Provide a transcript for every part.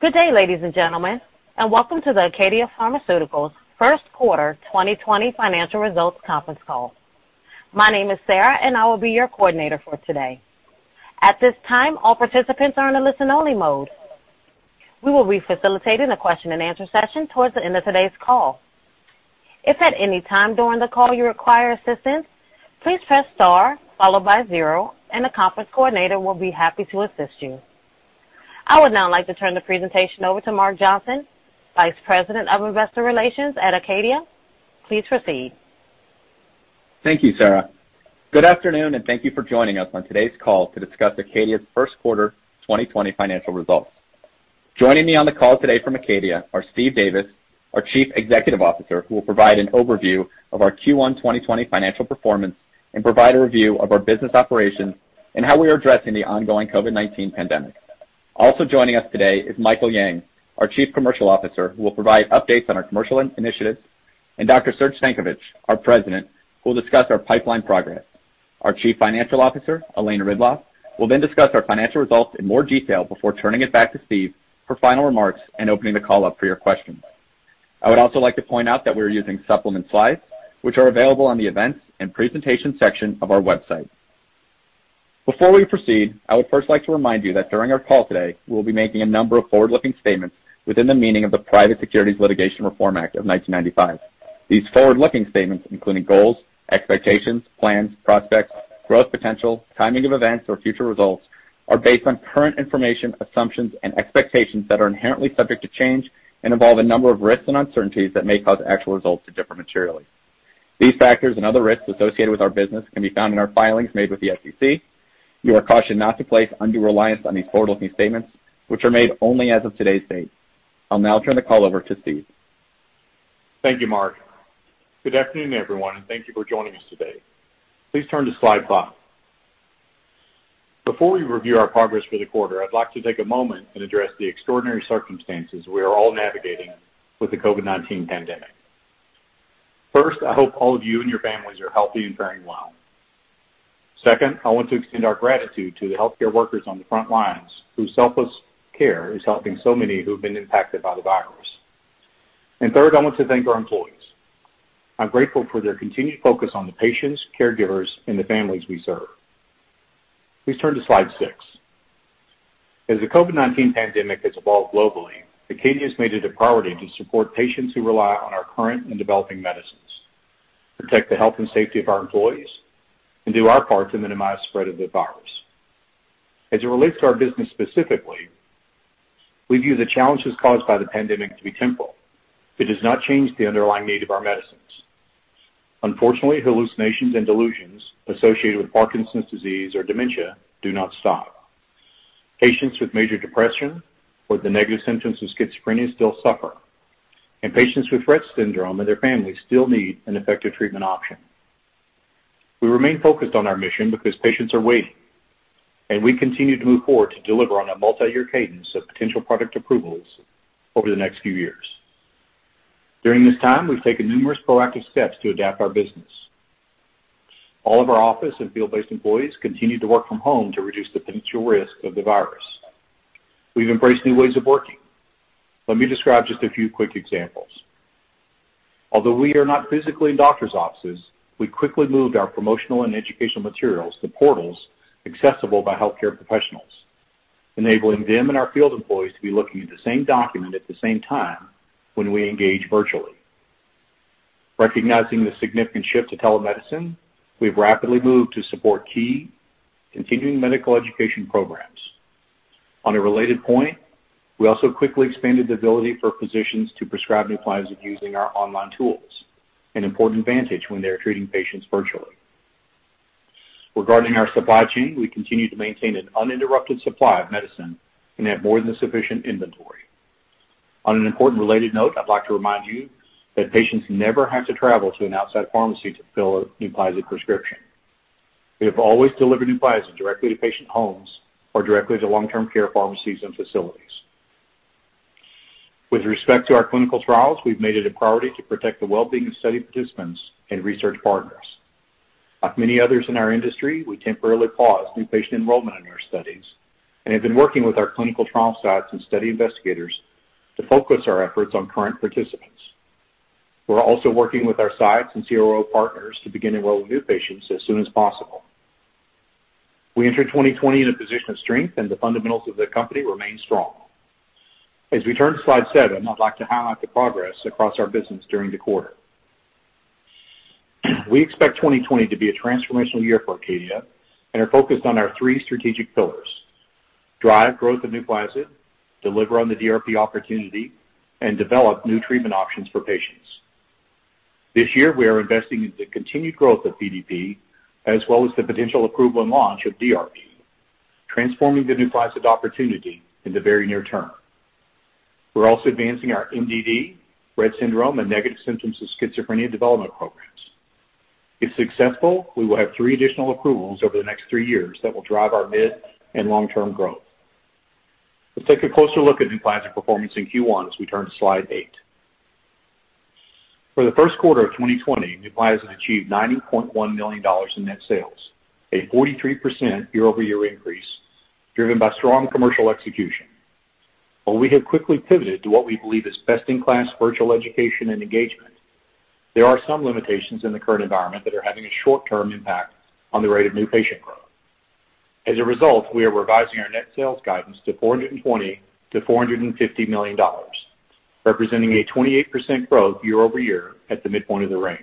Good day, ladies and gentlemen, and welcome to the ACADIA Pharmaceuticals First Quarter 2020 financial results conference call. My name is Sarah, and I will be your coordinator for today. At this time, all participants are in a listen-only mode. We will be facilitating a question and answer session towards the end of today's call. If at any time during the call you require assistance, please press star followed by zero, and the conference coordinator will be happy to assist you. I would now like to turn the presentation over to Mark Johnson, Vice President of Investor Relations at ACADIA. Please proceed. Thank you, Sarah. Good afternoon, and thank you for joining us on today's call to discuss ACADIA's First Quarter 2020 financial results. Joining me on the call today from ACADIA are Steve Davis, our Chief Executive Officer, who will provide an overview of our Q1 2020 financial performance and provide a review of our business operations and how we are addressing the ongoing COVID-19 pandemic. Also joining us today is Michael Yang, our Chief Commercial Officer, who will provide updates on our commercial initiatives, and Dr. Serge Stankovic, our President, who will discuss our pipeline progress. Our Chief Financial Officer, Elena Ridloff, will then discuss our financial results in more detail before turning it back to Steve for final remarks and opening the call up for your questions. I would also like to point out that we are using supplement slides, which are available on the events and presentation section of our website. Before we proceed, I would first like to remind you that during our call today, we'll be making a number of forward-looking statements within the meaning of the Private Securities Litigation Reform Act of 1995. These forward-looking statements, including goals, expectations, plans, prospects, growth potential, timing of events, or future results, are based on current information, assumptions, and expectations that are inherently subject to change and involve a number of risks and uncertainties that may cause actual results to differ materially. These factors and other risks associated with our business can be found in our filings made with the SEC. You are cautioned not to place undue reliance on these forward-looking statements, which are made only as of today's date. I'll now turn the call over to Steve. Thank you, Mark. Good afternoon, everyone, and thank you for joining us today. Please turn to slide five. Before we review our progress for the quarter, I'd like to take a moment and address the extraordinary circumstances we are all navigating with the COVID-19 pandemic. First, I hope all of you and your families are healthy and faring well. Second, I want to extend our gratitude to the healthcare workers on the front lines whose selfless care is helping so many who have been impacted by the virus. Third, I want to thank our employees. I'm grateful for their continued focus on the patients, caregivers, and the families we serve. Please turn to slide six. As the COVID-19 pandemic has evolved globally, ACADIA's made it a priority to support patients who rely on our current and developing medicines, protect the health and safety of our employees, and do our part to minimize spread of the virus. As it relates to our business specifically, we view the challenges caused by the pandemic to be temporal. It does not change the underlying need of our medicines. Unfortunately, hallucinations and delusions associated with Parkinson's disease or dementia do not stop. Patients with major depression or the negative symptoms of schizophrenia still suffer, and patients with Rett syndrome and their families still need an effective treatment option. We remain focused on our mission because patients are waiting, and we continue to move forward to deliver on a multi-year cadence of potential product approvals over the next few years. During this time, we've taken numerous proactive steps to adapt our business. All of our office and field-based employees continue to work from home to reduce the potential risk of the virus. We've embraced new ways of working. Let me describe just a few quick examples. Although we are not physically in doctor's offices, we quickly moved our promotional and educational materials to portals accessible by healthcare professionals. Enabling them and our field employees to be looking at the same document at the same time when we engage virtually. Recognizing the significant shift to telemedicine, we've rapidly moved to support key continuing medical education programs. On a related point, we also quickly expanded the ability for physicians to prescribe Nuplazid using our online tools, an important advantage when they are treating patients virtually. Regarding our supply chain, we continue to maintain an uninterrupted supply of medicine and have more than sufficient inventory. On an important related note, I'd like to remind you that patients never have to travel to an outside pharmacy to fill a Nuplazid prescription. We have always delivered Nuplazid directly to patient homes or directly to long-term care pharmacies and facilities. With respect to our clinical trials, we've made it a priority to protect the well-being of study participants and research partners. Like many others in our industry, we temporarily paused new patient enrollment in our studies and have been working with our clinical trial sites and study investigators to focus our efforts on current participants. We're also working with our sites and CRO partners to begin enrolling new patients as soon as possible. We entered 2020 in a position of strength, and the fundamentals of the company remain strong. As we turn to slide seven, I'd like to highlight the progress across our business during the quarter. We expect 2020 to be a transformational year for ACADIA and are focused on our three strategic pillars: drive growth of Nuplazid, deliver on the DRP opportunity, and develop new treatment options for patients. This year, we are investing in the continued growth of PDP, as well as the potential approval and launch of DRP, transforming the Nuplazid opportunity in the very near term. We're also advancing our MDD, Rett syndrome, and negative symptoms of schizophrenia development programs. If successful, we will have three additional approvals over the next three years that will drive our mid and long-term growth. Let's take a closer look at Nuplazid performance in Q1 as we turn to slide eight. For the first quarter of 2020, Nuplazid achieved $90.1 million in net sales, a 43% year-over-year increase driven by strong commercial execution. We have quickly pivoted to what we believe is best-in-class virtual education and engagement, there are some limitations in the current environment that are having a short-term impact on the rate of new patient growth. We are revising our net sales guidance to $420 million-$450 million, representing a 28% growth year-over-year at the midpoint of the range.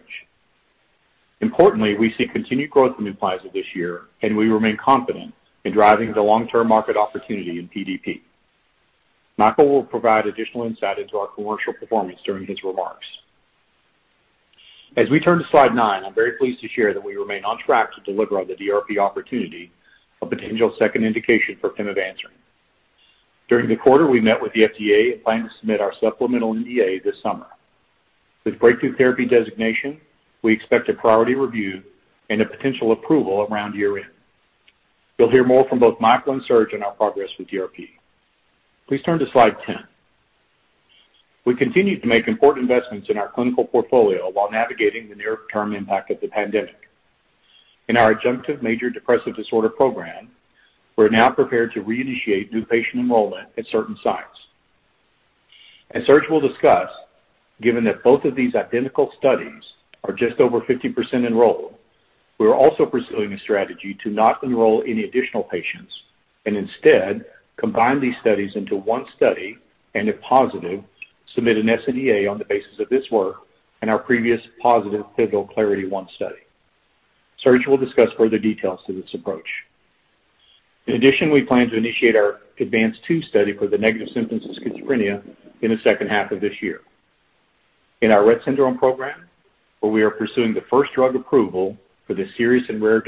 We see continued growth in Nuplazid this year, and we remain confident in driving the long-term market opportunity in PDP. Michael will provide additional insight into our commercial performance during his remarks. As we turn to slide nine, I'm very pleased to share that we remain on track to deliver on the DRP opportunity, a potential second indication for pimavanserin. During the quarter, we met with the FDA and plan to submit our supplemental NDA this summer. With breakthrough therapy designation, we expect a priority review and a potential approval around year-end. You'll hear more from both Michael and Serge on our progress with DRP. Please turn to slide 10. We continue to make important investments in our clinical portfolio while navigating the near-term impact of the pandemic. In our adjunctive major depressive disorder program, we're now prepared to reinitiate new patient enrollment at certain sites. As Serge will discuss, given that both of these identical studies are just over 50% enrolled. We are also pursuing a strategy to not enroll any additional patients and instead combine these studies into one study and, if positive, submit an sNDA on the basis of this work and our previous positive pivotal CLARITY-1 study. Serge will discuss further details to this approach. We plan to initiate our ADVANCE-2 study for the negative symptoms of schizophrenia in the second half of this year. In our Rett syndrome program, where we are pursuing the first drug approval for this serious and rare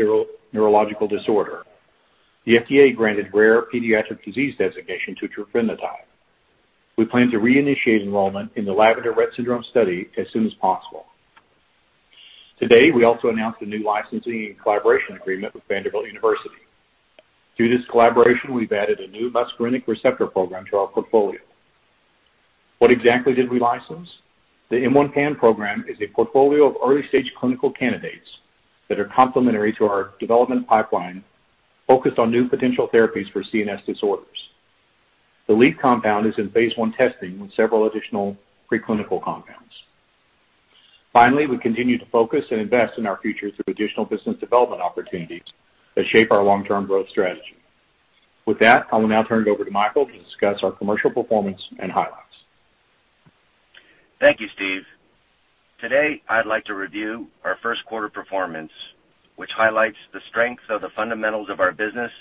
neurological disorder, the FDA granted rare pediatric disease designation to Trofinetide. We plan to reinitiate enrollment in the LAVENDER Rett syndrome study as soon as possible. Today, we also announced a new licensing and collaboration agreement with Vanderbilt University. Through this collaboration, we've added a new muscarinic receptor program to our portfolio. What exactly did we license? The M1 PAM program is a portfolio of early-stage clinical candidates that are complementary to our development pipeline focused on new potential therapies for CNS disorders. The lead compound is in phase I testing with several additional pre-clinical compounds. Finally, we continue to focus and invest in our future through additional business development opportunities that shape our long-term growth strategy. With that, I will now turn it over to Michael to discuss our commercial performance and highlights. Thank you, Steve. Today, I'd like to review our first quarter performance, which highlights the strength of the fundamentals of our business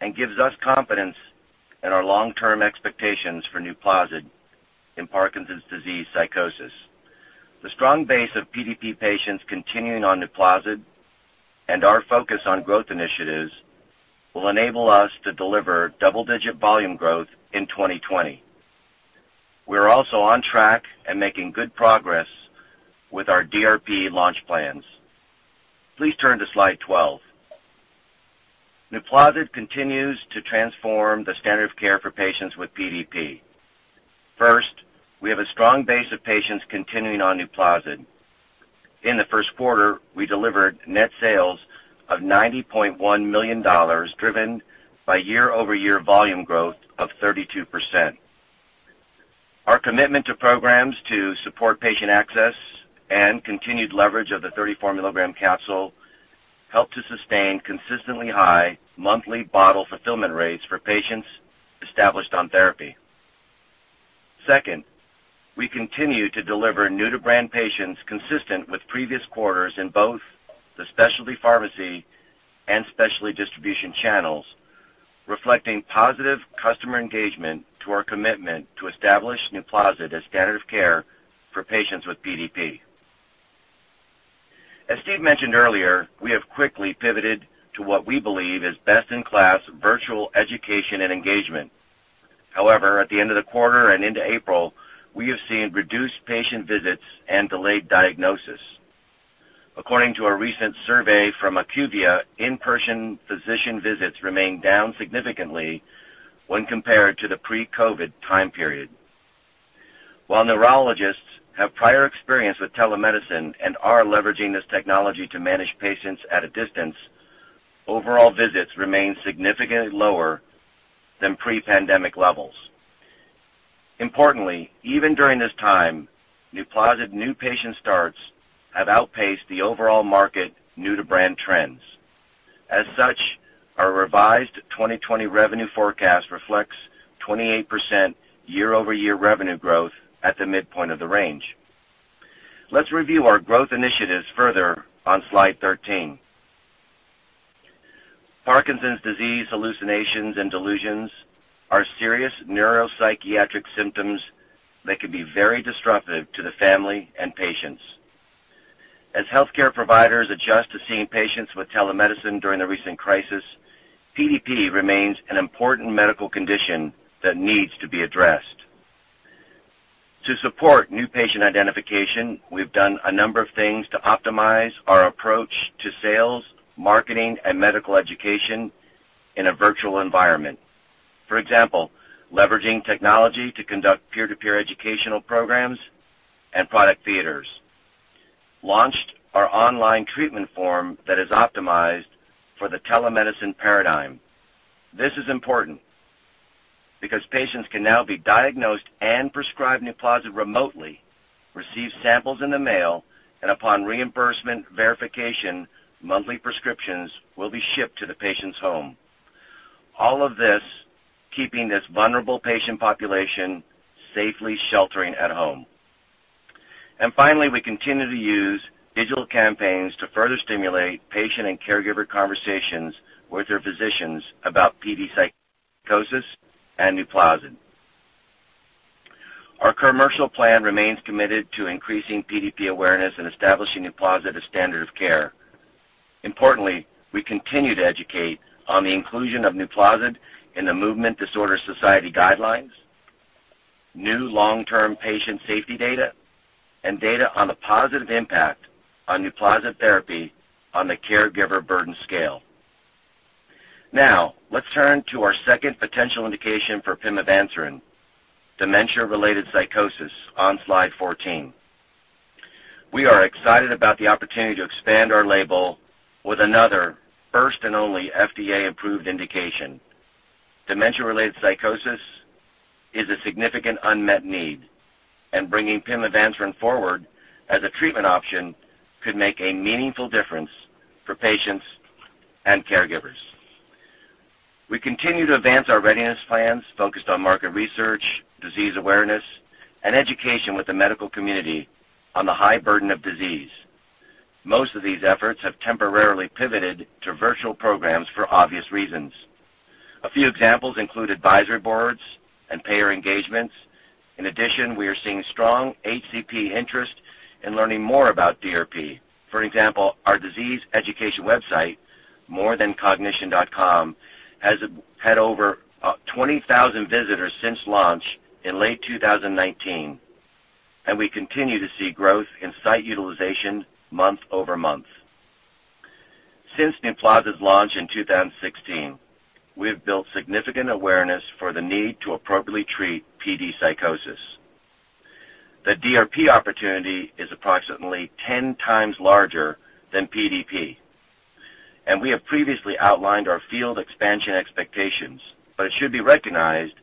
and gives us confidence in our long-term expectations for Nuplazid in Parkinson's disease psychosis. The strong base of PDP patients continuing on Nuplazid and our focus on growth initiatives will enable us to deliver double-digit volume growth in 2020. We are also on track and making good progress with our DRP launch plans. Please turn to slide 12. Nuplazid continues to transform the standard of care for patients with PDP. First, we have a strong base of patients continuing on Nuplazid. In the first quarter, we delivered net sales of $90.1 million, driven by year-over-year volume growth of 32%. Our commitment to programs to support patient access and continued leverage of the 34 milligram capsule helped to sustain consistently high monthly bottle fulfillment rates for patients established on therapy. Second, we continue to deliver new-to-brand patients consistent with previous quarters in both the specialty pharmacy and specialty distribution channels, reflecting positive customer engagement to our commitment to establish Nuplazid as standard of care for patients with PDP. As Steve mentioned earlier, we have quickly pivoted to what we believe is best-in-class virtual education and engagement. However, at the end of the quarter and into April, we have seen reduced patient visits and delayed diagnosis. According to a recent survey from IQVIA, in-person physician visits remain down significantly when compared to the pre-COVID time period. While neurologists have prior experience with telemedicine and are leveraging this technology to manage patients at a distance, overall visits remain significantly lower than pre-pandemic levels. Importantly, even during this time, Nuplazid new patient starts have outpaced the overall market new-to-brand trends. As such, our revised 2020 revenue forecast reflects 28% year-over-year revenue growth at the midpoint of the range. Let's review our growth initiatives further on slide 13. Parkinson's disease hallucinations and delusions are serious neuropsychiatric symptoms that can be very disruptive to the family and patients. As healthcare providers adjust to seeing patients with telemedicine during the recent crisis, PDP remains an important medical condition that needs to be addressed. To support new patient identification, we've done a number of things to optimize our approach to sales, marketing, and medical education in a virtual environment. For example, leveraging technology to conduct peer-to-peer educational programs and product theaters, launched our online treatment form that is optimized for the telemedicine paradigm. This is important because patients can now be diagnosed and prescribed Nuplazid remotely, receive samples in the mail, and upon reimbursement verification, monthly prescriptions will be shipped to the patient's home, all of this keeping this vulnerable patient population safely sheltering at home. Finally, we continue to use digital campaigns to further stimulate patient and caregiver conversations with their physicians about PD psychosis and Nuplazid. Our commercial plan remains committed to increasing PDP awareness and establishing Nuplazid as standard of care. Importantly, we continue to educate on the inclusion of Nuplazid in the Movement Disorder Society guidelines, new long-term patient safety data, and data on the positive impact on Nuplazid therapy on the caregiver burden scale. Let's turn to our second potential indication for Pimavanserin, dementia-related psychosis on slide 14. We are excited about the opportunity to expand our label with another first and only FDA-approved indication. Dementia-related psychosis is a significant unmet need, bringing pimavanserin forward as a treatment option could make a meaningful difference for patients and caregivers. We continue to advance our readiness plans focused on market research, disease awareness, and education with the medical community on the high burden of disease. Most of these efforts have temporarily pivoted to virtual programs for obvious reasons. A few examples include advisory boards and payer engagements. In addition, we are seeing strong HCP interest in learning more about DRP. Our disease education website, morethancognition.com, has had over 20,000 visitors since launch in late 2019. We continue to see growth in site utilization month-over-month. Since Nuplazid's launch in 2016, we have built significant awareness for the need to appropriately treat PD psychosis. The DRP opportunity is approximately 10 times larger than PDP. We have previously outlined our field expansion expectations. It should be recognized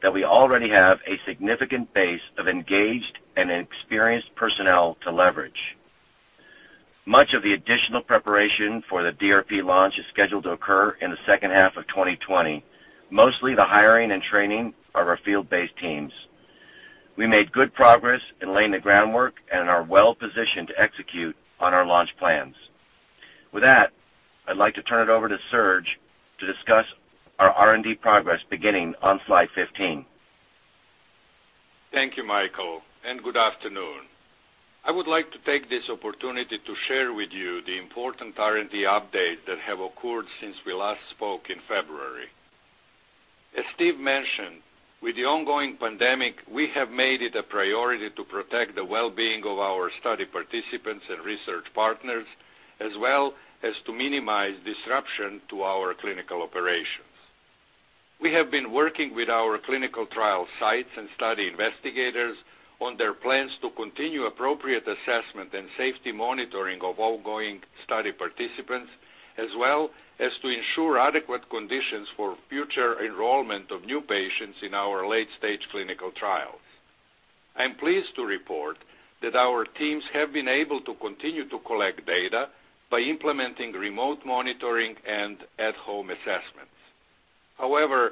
that we already have a significant base of engaged and experienced personnel to leverage. Much of the additional preparation for the DRP launch is scheduled to occur in the second half of 2020, mostly the hiring and training of our field-based teams. We made good progress in laying the groundwork and are well-positioned to execute on our launch plans. With that, I'd like to turn it over to Serge to discuss our R&D progress beginning on slide 15. Thank you, Michael, and good afternoon. I would like to take this opportunity to share with you the important R&D updates that have occurred since we last spoke in February. As Steve mentioned, with the ongoing pandemic, we have made it a priority to protect the well-being of our study participants and research partners, as well as to minimize disruption to our clinical operations. We have been working with our clinical trial sites and study investigators on their plans to continue appropriate assessment and safety monitoring of ongoing study participants, as well as to ensure adequate conditions for future enrollment of new patients in our late-stage clinical trials. I am pleased to report that our teams have been able to continue to collect data by implementing remote monitoring and at-home assessments. However,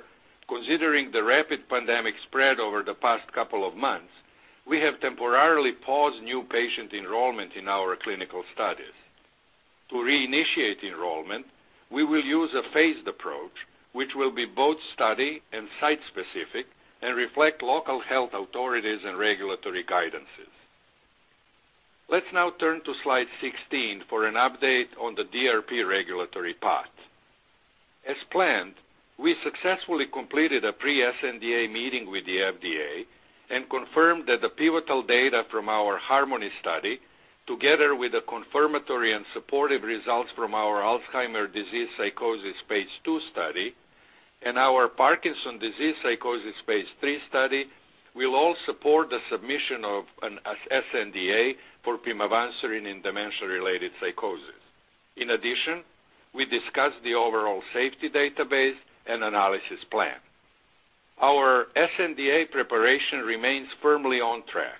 considering the rapid pandemic spread over the past couple of months, we have temporarily paused new patient enrollment in our clinical studies. To reinitiate enrollment, we will use a phased approach, which will be both study and site-specific and reflect local health authorities and regulatory guidances. Let's now turn to slide 16 for an update on the DRP regulatory path. As planned, we successfully completed a pre-sNDA meeting with the FDA and confirmed that the pivotal data from our HARMONY study, together with the confirmatory and supportive results from our Alzheimer's disease psychosis phase II study and our Parkinson's disease psychosis phase III study, will all support the submission of an sNDA for pimavanserin in dementia-related psychosis. In addition, we discussed the overall safety database and analysis plan. Our sNDA preparation remains firmly on track.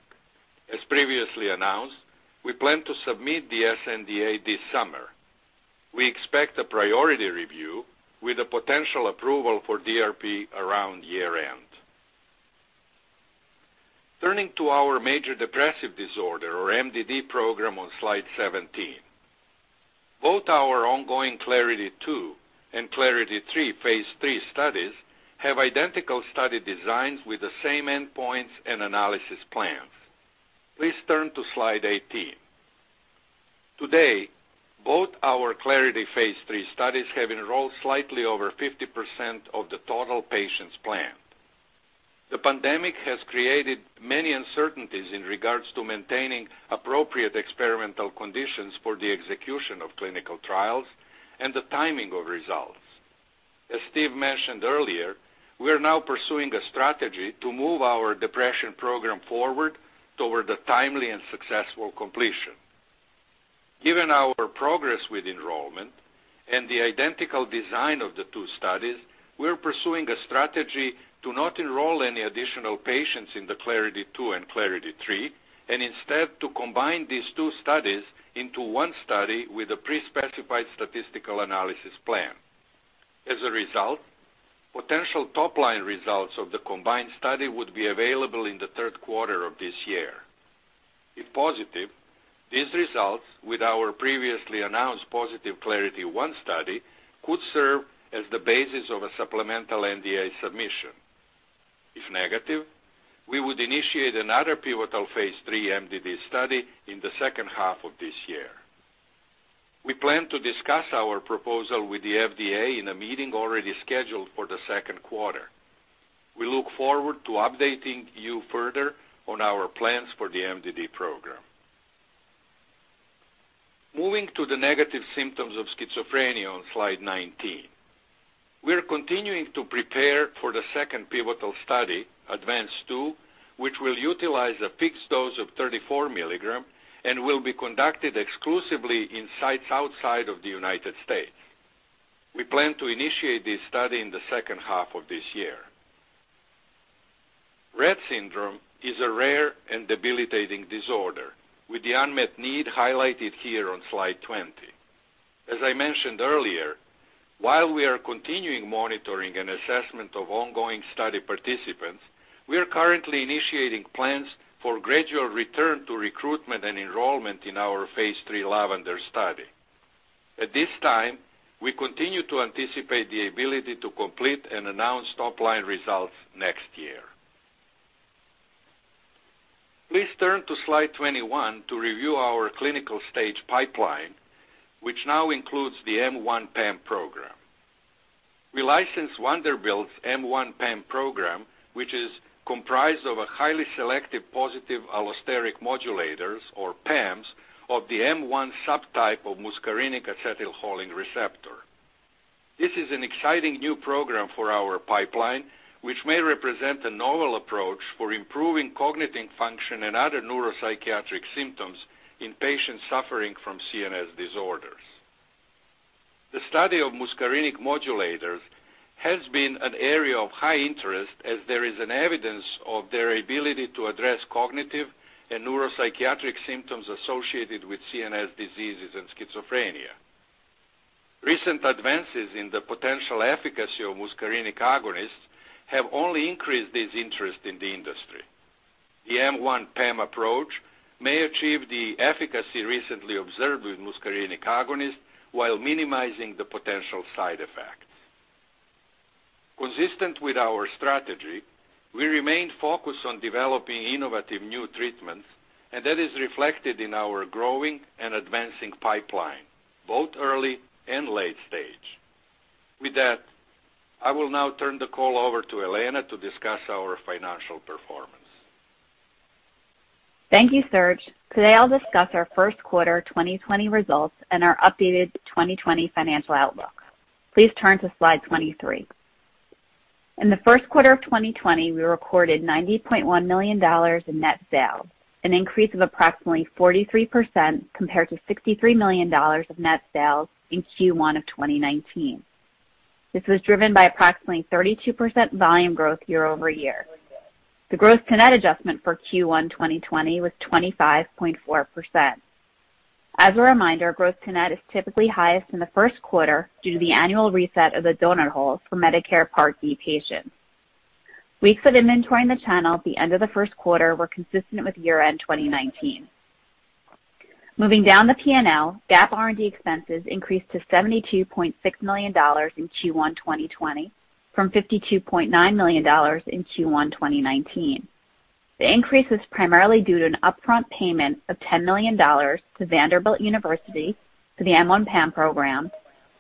As previously announced, we plan to submit the sNDA this summer. We expect a priority review with a potential approval for DRP around year-end. Turning to our major depressive disorder or MDD program on slide 17. Both our ongoing CLARITY-2 and CLARITY-3 phase III studies have identical study designs with the same endpoints and analysis plans. Please turn to slide 18. Today, both our CLARITY phase III studies have enrolled slightly over 50% of the total patients planned. The pandemic has created many uncertainties in regards to maintaining appropriate experimental conditions for the execution of clinical trials and the timing of results. As Steve mentioned earlier, we are now pursuing a strategy to move our depression program forward toward a timely and successful completion. Given our progress with enrollment and the identical design of the two studies, we are pursuing a strategy to not enroll any additional patients in the CLARITY-2 and CLARITY-3, and instead to combine these two studies into one study with a pre-specified statistical analysis plan. As a result, potential top-line results of the combined study would be available in the third quarter of this year. If positive, these results, with our previously announced positive CLARITY-1 study, could serve as the basis of a supplemental NDA submission. If negative, we would initiate another pivotal phase III MDD study in the second half of this year. We plan to discuss our proposal with the FDA in a meeting already scheduled for the second quarter. We look forward to updating you further on our plans for the MDD program. Moving to the negative symptoms of schizophrenia on slide 19. We are continuing to prepare for the second pivotal study, ADVANCE-2, which will utilize a fixed dose of 34 milligrams and will be conducted exclusively in sites outside of the U.S. We plan to initiate this study in the second half of this year. Rett syndrome is a rare and debilitating disorder with the unmet need highlighted here on slide 20. As I mentioned earlier, while we are continuing monitoring and assessment of ongoing study participants, we are currently initiating plans for gradual return to recruitment and enrollment in our phase III LAVENDER study. At this time, we continue to anticipate the ability to complete and announce top-line results next year. Please turn to slide 21 to review our clinical stage pipeline, which now includes the M1 PAM program. We licensed Vanderbilt's M1 PAM program, which is comprised of highly selective positive allosteric modulators, or PAMs, of the M1 subtype of muscarinic acetylcholine receptor. This is an exciting new program for our pipeline, which may represent a novel approach for improving cognitive function and other neuropsychiatric symptoms in patients suffering from CNS disorders. The study of muscarinic modulators has been an area of high interest as there is evidence of their ability to address cognitive and neuropsychiatric symptoms associated with CNS diseases and schizophrenia. Recent advances in the potential efficacy of muscarinic agonists have only increased this interest in the industry. The M1 PAM approach may achieve the efficacy recently observed with muscarinic agonists while minimizing the potential side effects. Consistent with our strategy, we remain focused on developing innovative new treatments, and that is reflected in our growing and advancing pipeline, both early and late stage. With that, I will now turn the call over to Elena to discuss our financial performance. Thank you, Serge. Today, I'll discuss our first quarter 2020 results and our updated 2020 financial outlook. Please turn to slide 23. In the first quarter of 2020, we recorded $90.1 million in net sales, an increase of approximately 43% compared to $63 million of net sales in Q1 of 2019. This was driven by approximately 32% volume growth year-over-year. The gross-to-net adjustment for Q1 2020 was 25.4%. As a reminder, growth to net is typically highest in the first quarter due to the annual reset of the donut hole for Medicare Part D patients. Weeks of inventory in the channel at the end of the first quarter were consistent with year-end 2019. Moving down the P&L, GAAP R&D expenses increased to $72.6 million in Q1 2020 from $52.9 million in Q1 2019. The increase is primarily due to an upfront payment of $10 million to Vanderbilt University for the M1 PAM program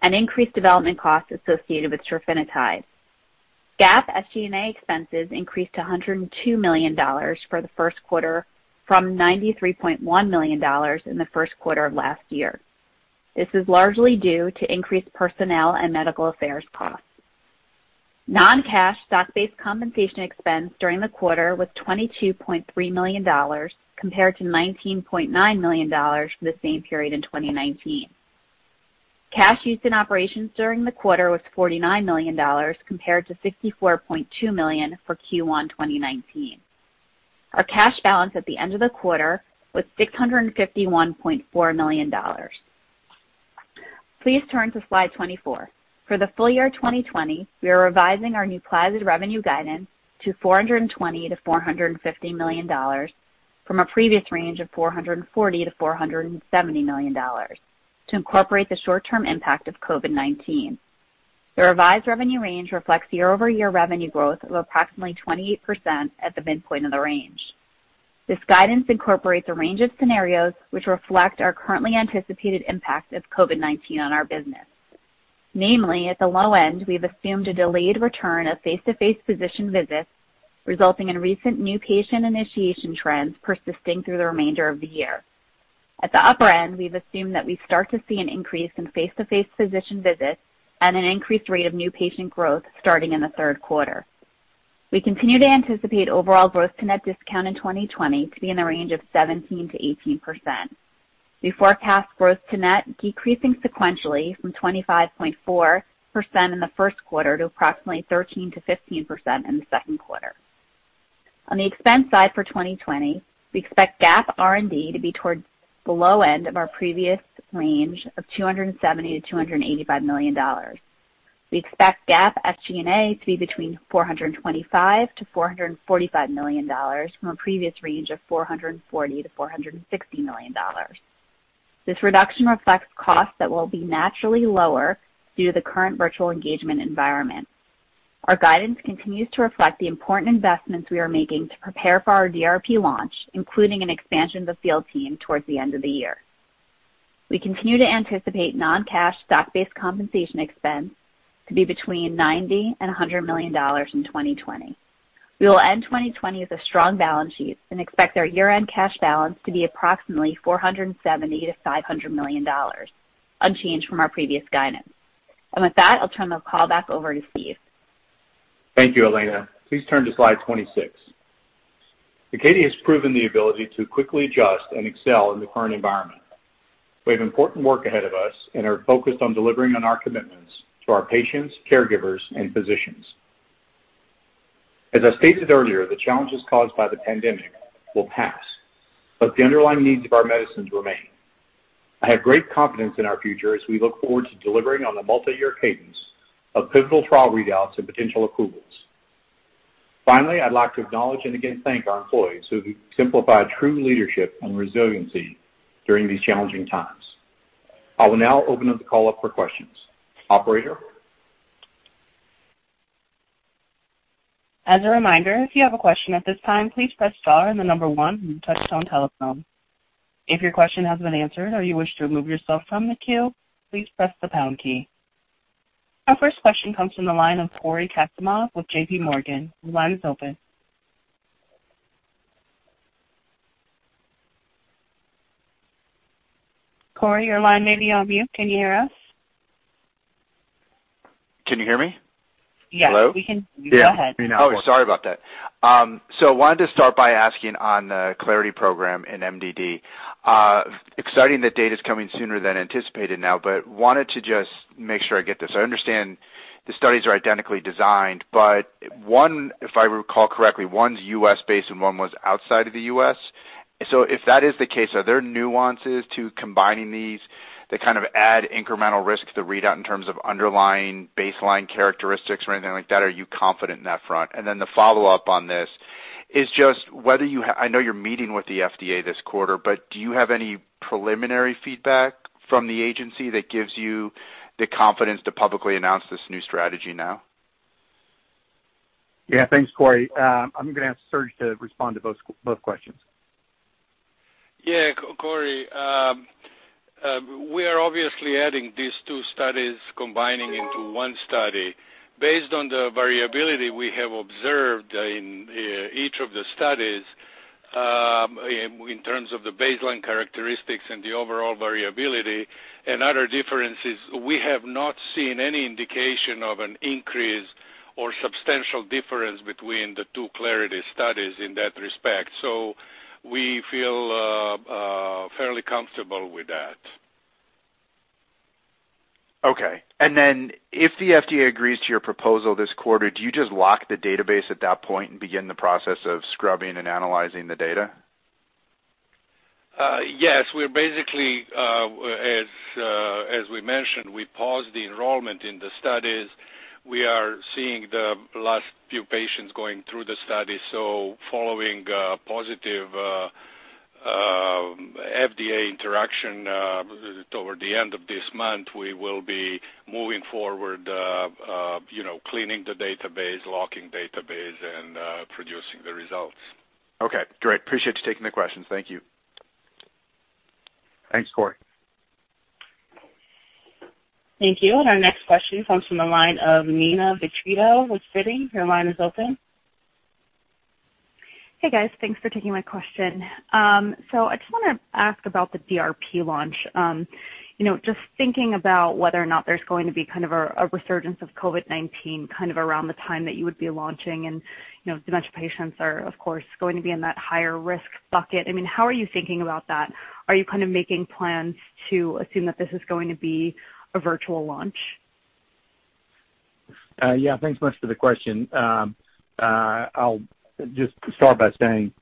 and increased development costs associated with trofinetide. GAAP SG&A expenses increased to $102 million for the first quarter from $93.1 million in the first quarter of last year. This is largely due to increased personnel and medical affairs costs. Non-cash stock-based compensation expense during the quarter was $22.3 million, compared to $19.9 million for the same period in 2019. Cash used in operations during the quarter was $49 million, compared to $64.2 million for Q1 2019. Our cash balance at the end of the quarter was $651.4 million. Please turn to slide 24. For the full year 2020, we are revising our Nuplazid revenue guidance to $420 million-$450 million from a previous range of $440 million-$470 million to incorporate the short-term impact of COVID-19. The revised revenue range reflects year-over-year revenue growth of approximately 28% at the midpoint of the range. This guidance incorporates a range of scenarios which reflect our currently anticipated impact of COVID-19 on our business. Namely, at the low end, we've assumed a delayed return of face-to-face physician visits, resulting in recent new patient initiation trends persisting through the remainder of the year. At the upper end, we've assumed that we start to see an increase in face-to-face physician visits and an increased rate of new patient growth starting in the third quarter. We continue to anticipate overall gross-to-net discount in 2020 to be in the range of 17%-18%. We forecast gross-to-net decreasing sequentially from 25.4% in the first quarter to approximately 13%-15% in the second quarter. On the expense side for 2020, we expect GAAP R&D to be towards the low end of our previous range of $270 million-$285 million. We expect GAAP SG&A to be between $425 million-$445 million from a previous range of $440 million-$460 million. This reduction reflects costs that will be naturally lower due to the current virtual engagement environment. Our guidance continues to reflect the important investments we are making to prepare for our DRP launch, including an expansion of the field team towards the end of the year. We continue to anticipate non-cash stock-based compensation expense to be between $90 million-$100 million in 2020. We will end 2020 with a strong balance sheet and expect our year-end cash balance to be approximately $470 million-$500 million, unchanged from our previous guidance. With that, I'll turn the call back over to Steve. Thank you, Elena. Please turn to slide 26. ACADIA has proven the ability to quickly adjust and excel in the current environment. We have important work ahead of us and are focused on delivering on our commitments to our patients, caregivers, and physicians. As I stated earlier, the challenges caused by the pandemic will pass, but the underlying needs of our medicines remain. I have great confidence in our future as we look forward to delivering on the multi-year cadence of pivotal trial readouts and potential approvals. Finally, I'd like to acknowledge and again thank our employees who have exemplified true leadership and resiliency during these challenging times. I will now open up the call for questions. Operator? As a reminder, if you have a question at this time, please press star and the number one on your touchtone telephone. If your question has been answered or you wish to remove yourself from the queue, please press the pound key. Our first question comes from the line of Cory Kasimov with J.P. Morgan. Your line is open. Cory, your line may be on mute. Can you hear us? Can you hear me? Hello? Yes. We can. Go ahead. Yeah. We can, Cory. Oh, sorry about that. Wanted to start by asking on the Clarity program in MDD. Exciting that data's coming sooner than anticipated now, wanted to just make sure I get this. I understand the studies are identically designed, but one, if I recall correctly, one's U.S.-based and one was outside of the U.S. If that is the case, are there nuances to combining these that kind of add incremental risk to the readout in terms of underlying baseline characteristics or anything like that? Are you confident in that front? Then the follow-up on this is just, I know you're meeting with the FDA this quarter, but do you have any preliminary feedback from the agency that gives you the confidence to publicly announce this new strategy now? Yeah. Thanks, Cory. I'm going to ask Serge to respond to both questions. Yeah, Cory. We are obviously adding these two studies, combining into one study. Based on the variability we have observed in each of the studies, in terms of the baseline characteristics and the overall variability and other differences, we have not seen any indication of an increase or substantial difference between the two CLARITY studies in that respect. We feel fairly comfortable with that. Okay. If the FDA agrees to your proposal this quarter, do you just lock the database at that point and begin the process of scrubbing and analyzing the data? Yes. We're basically, as we mentioned, we paused the enrollment in the studies. We are seeing the last few patients going through the study. Following a positive FDA interaction toward the end of this month, we will be moving forward, cleaning the database, locking database, and producing the results. Okay, great. Appreciate you taking the questions. Thank you. Thanks, Cory. Thank you. Our next question comes from the line of Neena Bitritto with Citi. Your line is open. Hey, guys. Thanks for taking my question. I just want to ask about the DRP launch. Just thinking about whether or not there's going to be kind of a resurgence of COVID-19 kind of around the time that you would be launching and dementia patients are, of course, going to be in that higher risk bucket. How are you thinking about that? Are you kind of making plans to assume that this is going to be a virtual launch? Yeah. Thanks much for the question. I'll just start by saying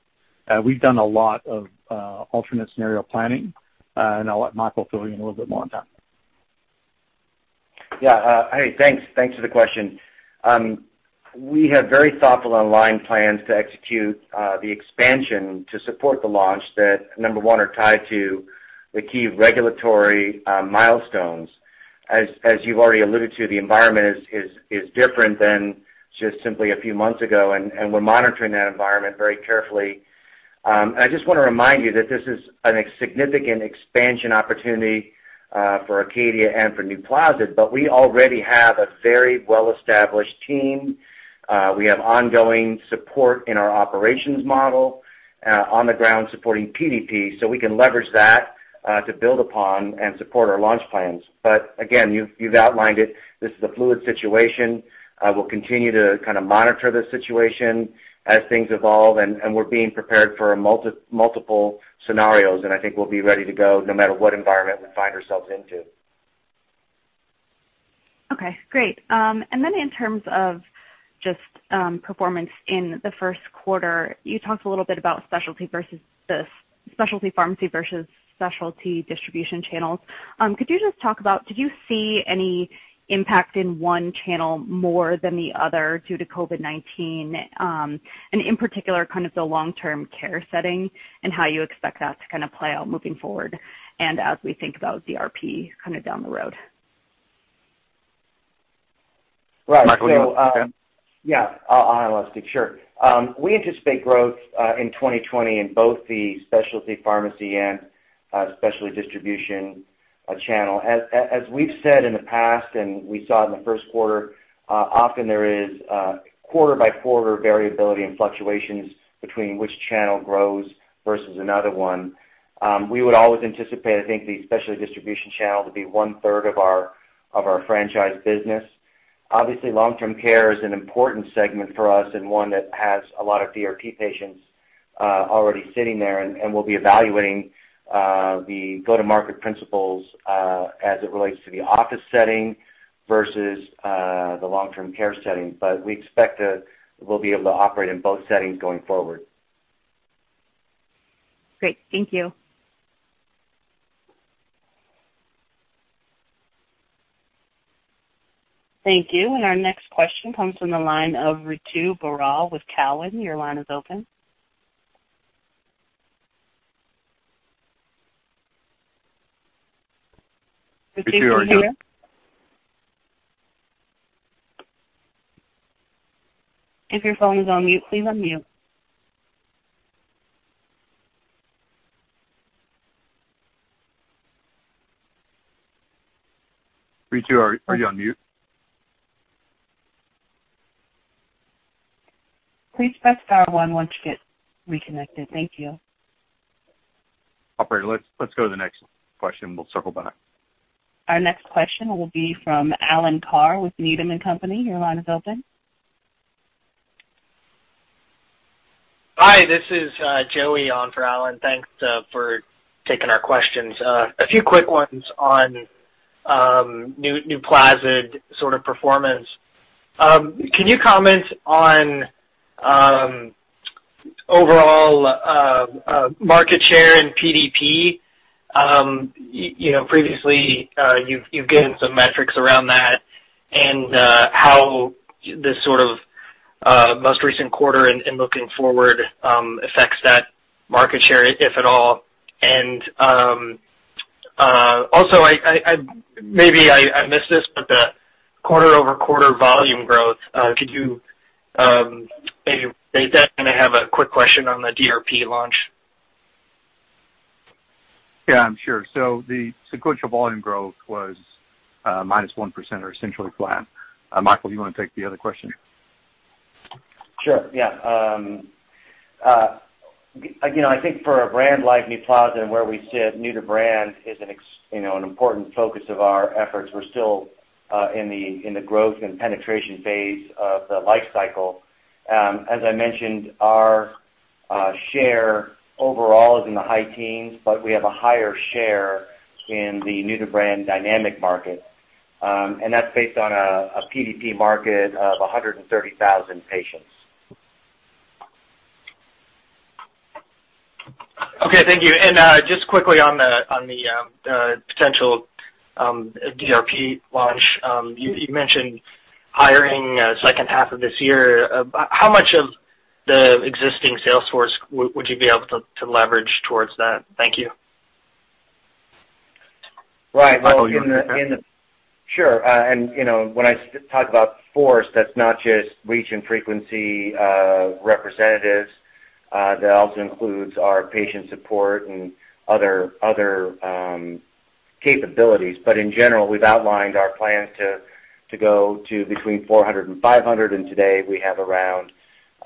we've done a lot of alternate scenario planning. I'll let Michael fill you in a little bit more on that. Yeah. Hey, thanks for the question. We have very thoughtful aligned plans to execute the expansion to support the launch that, number one, are tied to the key regulatory milestones. As you've already alluded to, the environment is different than just simply a few months ago, and we're monitoring that environment very carefully. I just want to remind you that this is a significant expansion opportunity for ACADIA and for Nuplazid, but we already have a very well-established team. We have ongoing support in our operations model on the ground supporting PDP, so we can leverage that to build upon and support our launch plans. Again, you've outlined it. This is a fluid situation. We'll continue to monitor the situation as things evolve, and we're being prepared for multiple scenarios, and I think we'll be ready to go no matter what environment we find ourselves into. Okay, great. In terms of just performance in the first quarter, you talked a little bit about specialty pharmacy versus specialty distribution channels. Could you just talk about, did you see any impact in one channel more than the other due to COVID-19? In particular, kind of the long-term care setting and how you expect that to play out moving forward, and as we think about DRP down the road. Right. Michael, do you want to take that? Yeah. I'll take it, sure. We anticipate growth in 2020 in both the specialty pharmacy and specialty distribution channel. As we've said in the past and we saw it in the first quarter, often there is quarter-by-quarter variability and fluctuations between which channel grows versus another one. We would always anticipate, I think, the specialty distribution channel to be one-third of our franchise business. Obviously, long-term care is an important segment for us and one that has a lot of DRP patients already sitting there, and we'll be evaluating the go-to-market principles as it relates to the office setting versus the long-term care setting. We expect that we'll be able to operate in both settings going forward. Great. Thank you. Thank you. Our next question comes from the line of Ritu Baral with Cowen. Your line is open. Ritu, are you there? If your phone is on mute, please unmute. Ritu, are you on mute? Please press star one once you get reconnected. Thank you. Operator, let's go to the next question. We'll circle back. Our next question will be from Alan Carr with Needham & Company. Your line is open. Hi, this is Joey on for Alan. Thanks for taking our questions. A few quick ones on Nuplazid sort of performance. Can you comment on overall market share in PDP? Previously, you've given some metrics around that and how this sort of most recent quarter and looking forward affects that market share, if at all. Also, maybe I missed this, but the quarter-over-quarter volume growth, could you maybe take that? I have a quick question on the DRP launch. Yeah. Sure. The sequential volume growth was minus 1% or essentially flat. Michael, do you want to take the other question? Sure, yeah. I think for a brand like Nuplazid and where we sit, new to brand is an important focus of our efforts. We're still in the growth and penetration phase of the life cycle. As I mentioned, our share overall is in the high teens, but we have a higher share in the new-to-brand dynamic market. That's based on a PDP market of 130,000 patients. Okay, thank you. Just quickly on the potential DRP launch. You mentioned hiring second half of this year. How much of the existing sales force would you be able to leverage towards that? Thank you. Right. Michael, do you want to take that? Sure. When I talk about force, that's not just reach and frequency representatives. That also includes our patient support and other capabilities. In general, we've outlined our plans to go to between 400 and 500, and today we have around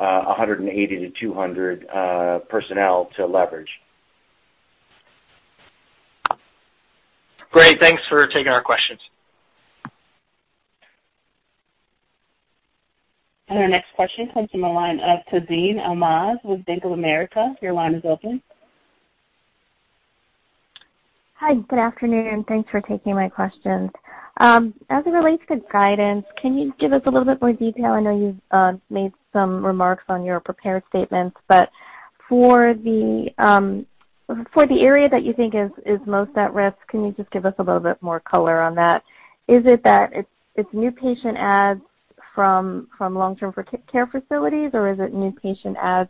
180-200 personnel to leverage. Great. Thanks for taking our questions. Our next question comes from the line of Tazeen Ahmad with Bank of America. Your line is open. Hi, good afternoon. Thanks for taking my questions. As it relates to guidance, can you give us a little bit more detail? I know you've made some remarks on your prepared statements, but for the area that you think is most at risk, can you just give us a little bit more color on that? Is it that it's new patient adds from long-term care facilities, or is it new patient adds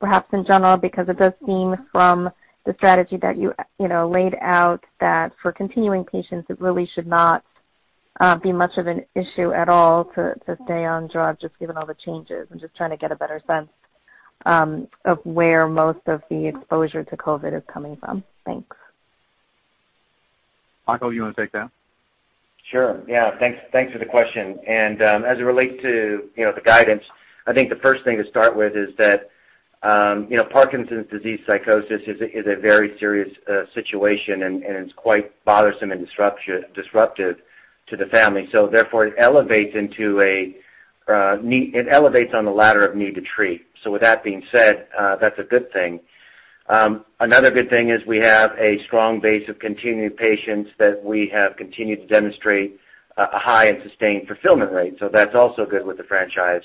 perhaps in general? Because it does seem from the strategy that you laid out that for continuing patients, it really should not be much of an issue at all to stay on drug, just given all the changes. I'm just trying to get a better sense of where most of the exposure to COVID is coming from. Thanks. Michael, you want to take that? Sure. Yeah. Thanks for the question. As it relates to the guidance, I think the first thing to start with is that Parkinson's disease psychosis is a very serious situation, and it's quite bothersome and disruptive to the family. Therefore, it elevates on the ladder of need to treat. With that being said, that's a good thing. Another good thing is we have a strong base of continued patients that we have continued to demonstrate a high and sustained fulfillment rate. That's also good with the franchise.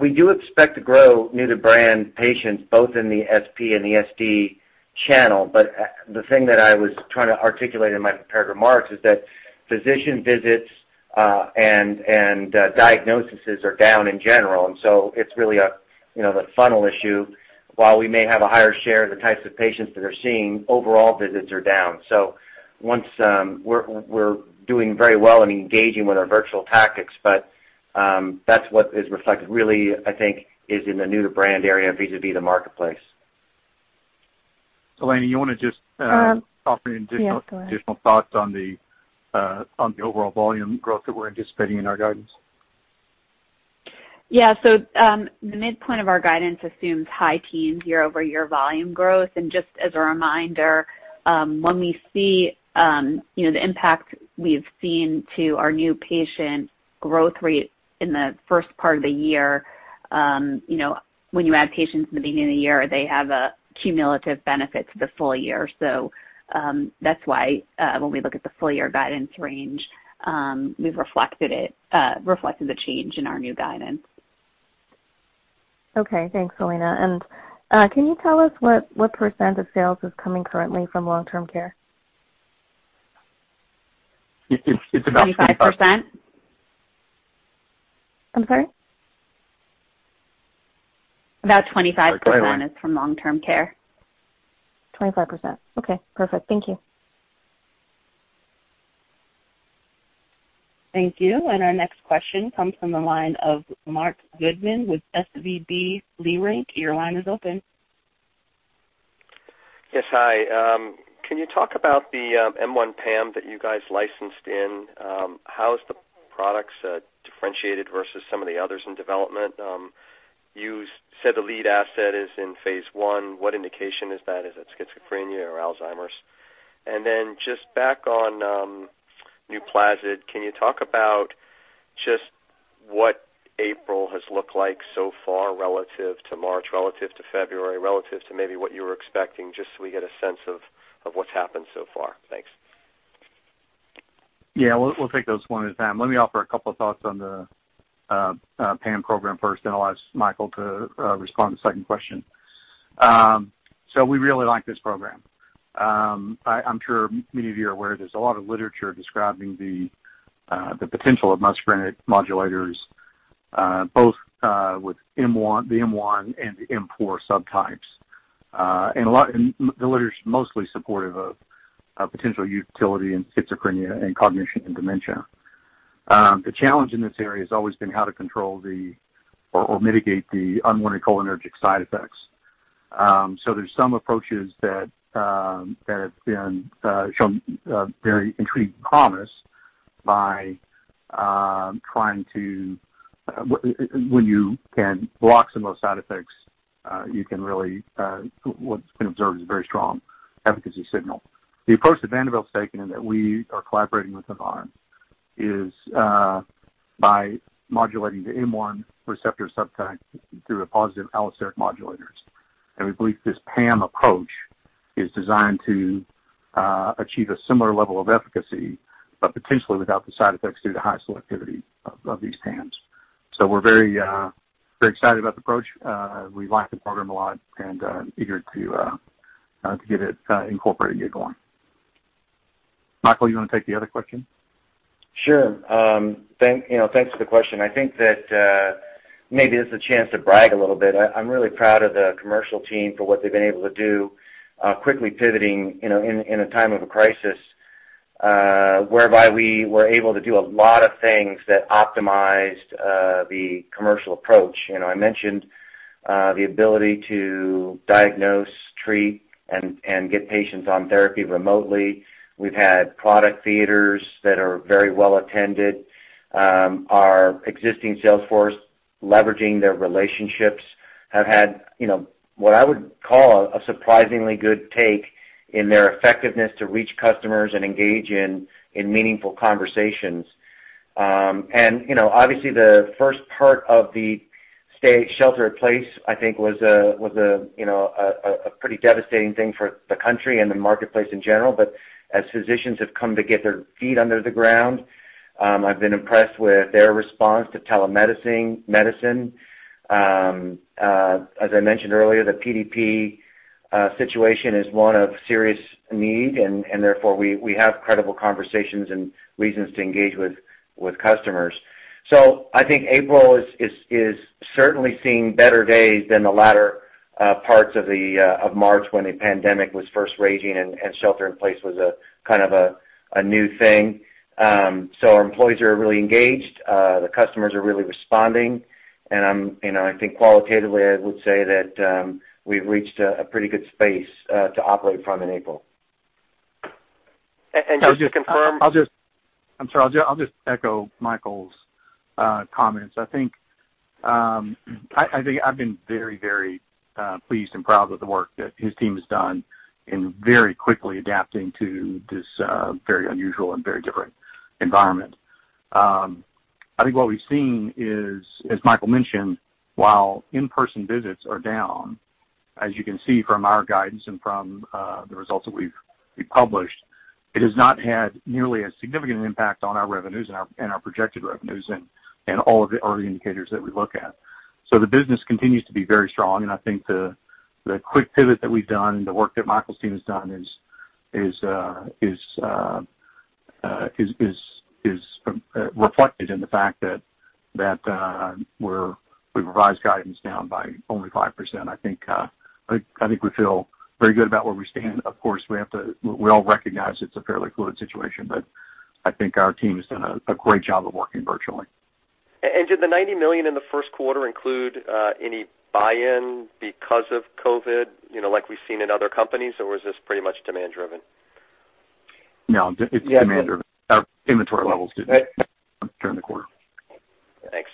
We do expect to grow new-to-brand patients both in the SP and the SD channel. The thing that I was trying to articulate in my prepared remarks is that physician visits and diagnoses are down in general, and so it's really the funnel issue. While we may have a higher share of the types of patients that are seeing, overall visits are down. We're doing very well in engaging with our virtual tactics, but that's what is reflected really, I think, is in the new-to-brand area vis-a-vis the marketplace. Elena, you want to just. Yes, go ahead Offer any additional thoughts on the overall volume growth that we're anticipating in our guidance? Yeah. The midpoint of our guidance assumes high teens year-over-year volume growth. Just as a reminder, when we see the impact we've seen to our new patient growth rate in the first part of the year, when you add patients in the beginning of the year, they have a cumulative benefit to the full year. That's why, when we look at the full-year guidance range, we've reflected the change in our new guidance. Okay, thanks, Elena. can you tell us what % of sales is coming currently from long-term care? It's about 25%. 25%. I'm sorry? About 25% is from long-term care. 25%. Okay, perfect. Thank you. Thank you. Our next question comes from the line of Marc Goodman with SVB Leerink. Your line is open. Yes, hi. Can you talk about the M1 PAM that you guys licensed in? How is the products differentiated versus some of the others in development? You said the lead asset is in phase I. What indication is that? Is it schizophrenia or Alzheimer's? just back on Nuplazid, can you talk about just what April has looked like so far relative to March, relative to February, relative to maybe what you were expecting, just so we get a sense of what's happened so far? Thanks. Yeah, we'll take those one at a time. Let me offer a couple of thoughts on the PAM program first, then I'll ask Michael to respond to the second question. We really like this program. I'm sure many of you are aware there's a lot of literature describing the potential of muscarinic modulators, both with the M1 and the M4 subtypes. The literature's mostly supportive of potential utility in schizophrenia and cognition and dementia. The challenge in this area has always been how to control or mitigate the unwanted cholinergic side effects. There's some approaches that have shown very intriguing promise. When you can block some of those side effects, what's been observed is a very strong efficacy signal. The approach that Vanderbilt's taken, and that we are collaborating with them on, is by modulating the M1 receptor subtype through a positive allosteric modulators. We believe this PAM approach is designed to achieve a similar level of efficacy, but potentially without the side effects due to high selectivity of these PAMs. We're very excited about the approach. We like the program a lot and eager to get it incorporated and get going. Michael, you want to take the other question? Sure. Thanks for the question. I think that maybe this is a chance to brag a little bit. I'm really proud of the commercial team for what they've been able to do, quickly pivoting in a time of a crisis, whereby we were able to do a lot of things that optimized the commercial approach. I mentioned the ability to diagnose, treat, and get patients on therapy remotely. We've had product theaters that are very well attended. Our existing sales force leveraging their relationships have had what I would call a surprisingly good take in their effectiveness to reach customers and engage in meaningful conversations. Obviously the first part of the shelter in place, I think, was a pretty devastating thing for the country and the marketplace in general. As physicians have come to get their feet under the ground, I've been impressed with their response to telemedicine. As I mentioned earlier, the PDP situation is one of serious need, and therefore we have credible conversations and reasons to engage with customers. I think April is certainly seeing better days than the latter-parts of March when the pandemic was first raging and shelter in place was a new thing. Our employees are really engaged. The customers are really responding, and I think qualitatively, I would say that we've reached a pretty good space to operate from in April. Just to confirm. I'll just echo Michael's comments. I think I've been very pleased and proud of the work that his team has done in very quickly adapting to this very unusual and very different environment. I think what we've seen is, as Michael mentioned, while in-person visits are down, as you can see from our guidance and from the results that we've published, it has not had nearly a significant impact on our revenues and our projected revenues and all of the early indicators that we look at. The business continues to be very strong, and I think the quick pivot that we've done and the work that Michael's team has done is reflected in the fact that we've revised guidance down by only 5%. I think we feel very good about where we stand. Of course, we all recognize it's a fairly fluid situation, but I think our team has done a great job of working virtually. Did the $90 million in the first quarter include any buy-in because of COVID, like we've seen in other companies, or was this pretty much demand driven? No, it's demand driven. Our inventory levels didn't during the quarter. Thanks.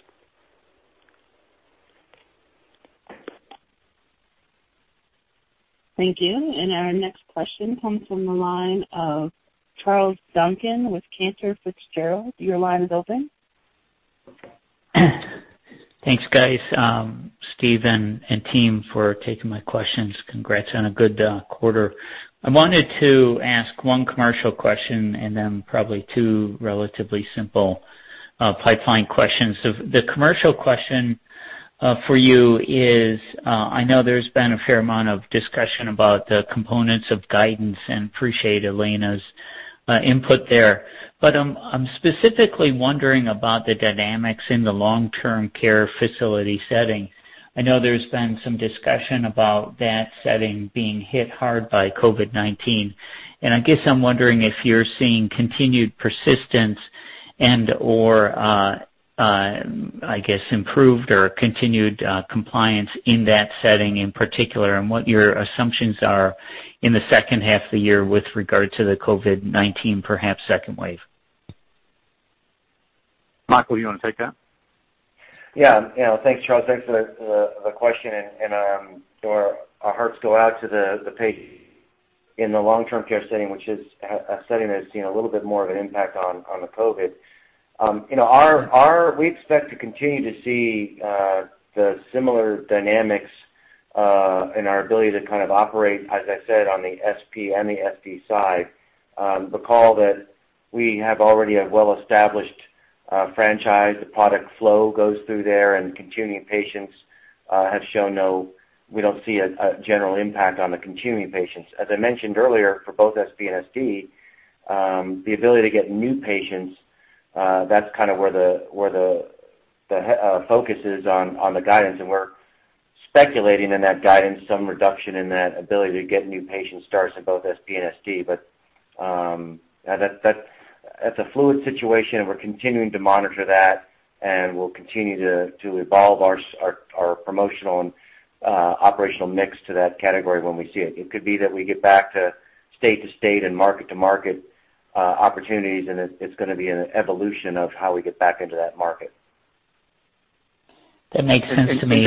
Thank you. Our next question comes from the line of Charles Duncan with Cantor Fitzgerald. Your line is open. Thanks, guys, Steve and team, for taking my questions. Congrats on a good quarter. I wanted to ask one commercial question and then probably two relatively simple pipeline questions. The commercial question for you is, I know there's been a fair amount of discussion about the components of guidance and appreciate Elena's input there. I'm specifically wondering about the dynamics in the long-term care facility setting. I know there's been some discussion about that setting being hit hard by COVID-19, and I guess I'm wondering if you're seeing continued persistence and/or, I guess improved or continued compliance in that setting in particular, and what your assumptions are in the second half of the year with regard to the COVID-19 perhaps second wave. Michael, you want to take that? Yeah. Thanks, Charles. Thanks for the question, and our hearts go out to the patients in the long-term care setting, which is a setting that has seen a little bit more of an impact on the COVID. We expect to continue to see the similar dynamics in our ability to operate, as I said, on the SP and the SD side. Recall that we have already a well-established franchise. The product flow goes through there, and continuing patients. We don't see a general impact on the continuing patients. As I mentioned earlier, for both SP and SD, the ability to get new patients, that's where the focus is on the guidance, and we're speculating in that guidance some reduction in that ability to get new patient starts in both SP and SD that's a fluid situation, and we're continuing to monitor that, and we'll continue to evolve our promotional and operational mix to that category when we see it. It could be that we get back to state to state and market to market opportunities, and it's going to be an evolution of how we get back into that market. That makes sense to me.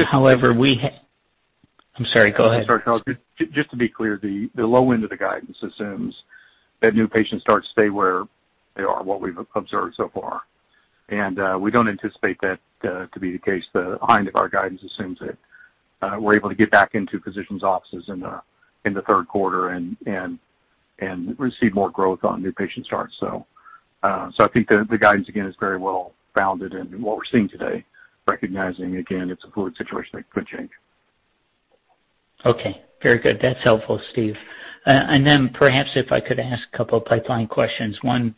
I'm sorry, go ahead. I'm sorry, Charles. Just to be clear, the low end of the guidance assumes that new patient starts stay where they are, what we've observed so far. We don't anticipate that to be the case. The high end of our guidance assumes that we're able to get back into physicians' offices in the third quarter and receive more growth on new patient starts. I think the guidance, again, is very well founded in what we're seeing today, recognizing, again, it's a fluid situation that could change. Okay. Very good. That's helpful, Steve. Perhaps if I could ask a couple pipeline questions. One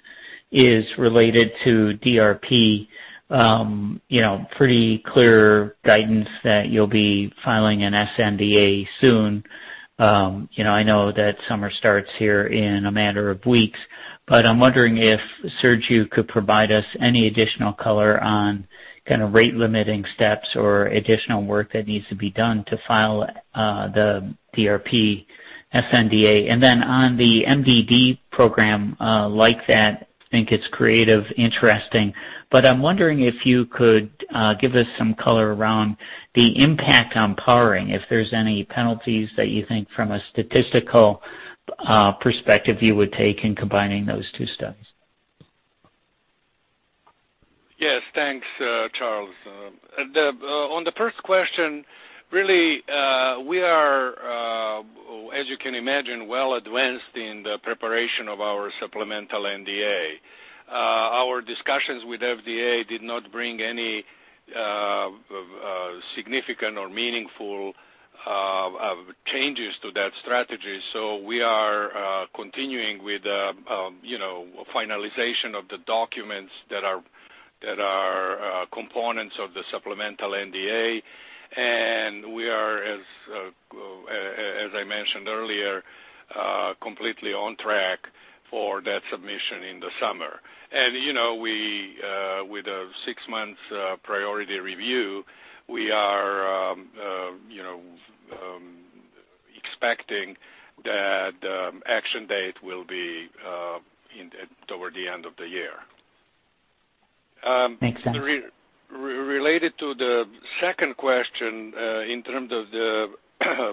is related to DRP. Pretty clear guidance that you'll be filing an sNDA soon. I know that summer starts here in a matter of weeks, but I'm wondering if, Serge, you could provide us any additional color on rate-limiting steps or additional work that needs to be done to file the DRP sNDA. On the MDD program, like that, I think it's creative, interesting. I'm wondering if you could give us some color around the impact on powering, if there's any penalties that you think from a statistical perspective you would take in combining those two studies. Yes, thanks, Charles. On the first question, really, we are, as you can imagine, well advanced in the preparation of our supplemental NDA. Our discussions with FDA did not bring any significant or meaningful changes to that strategy. We are continuing with finalization of the documents that are components of the supplemental NDA. We are, as I mentioned earlier, completely on track for that submission in the summer. With a six-month priority review, we are expecting that the action date will be toward the end of the year. Makes sense. Related to the second question, in terms of the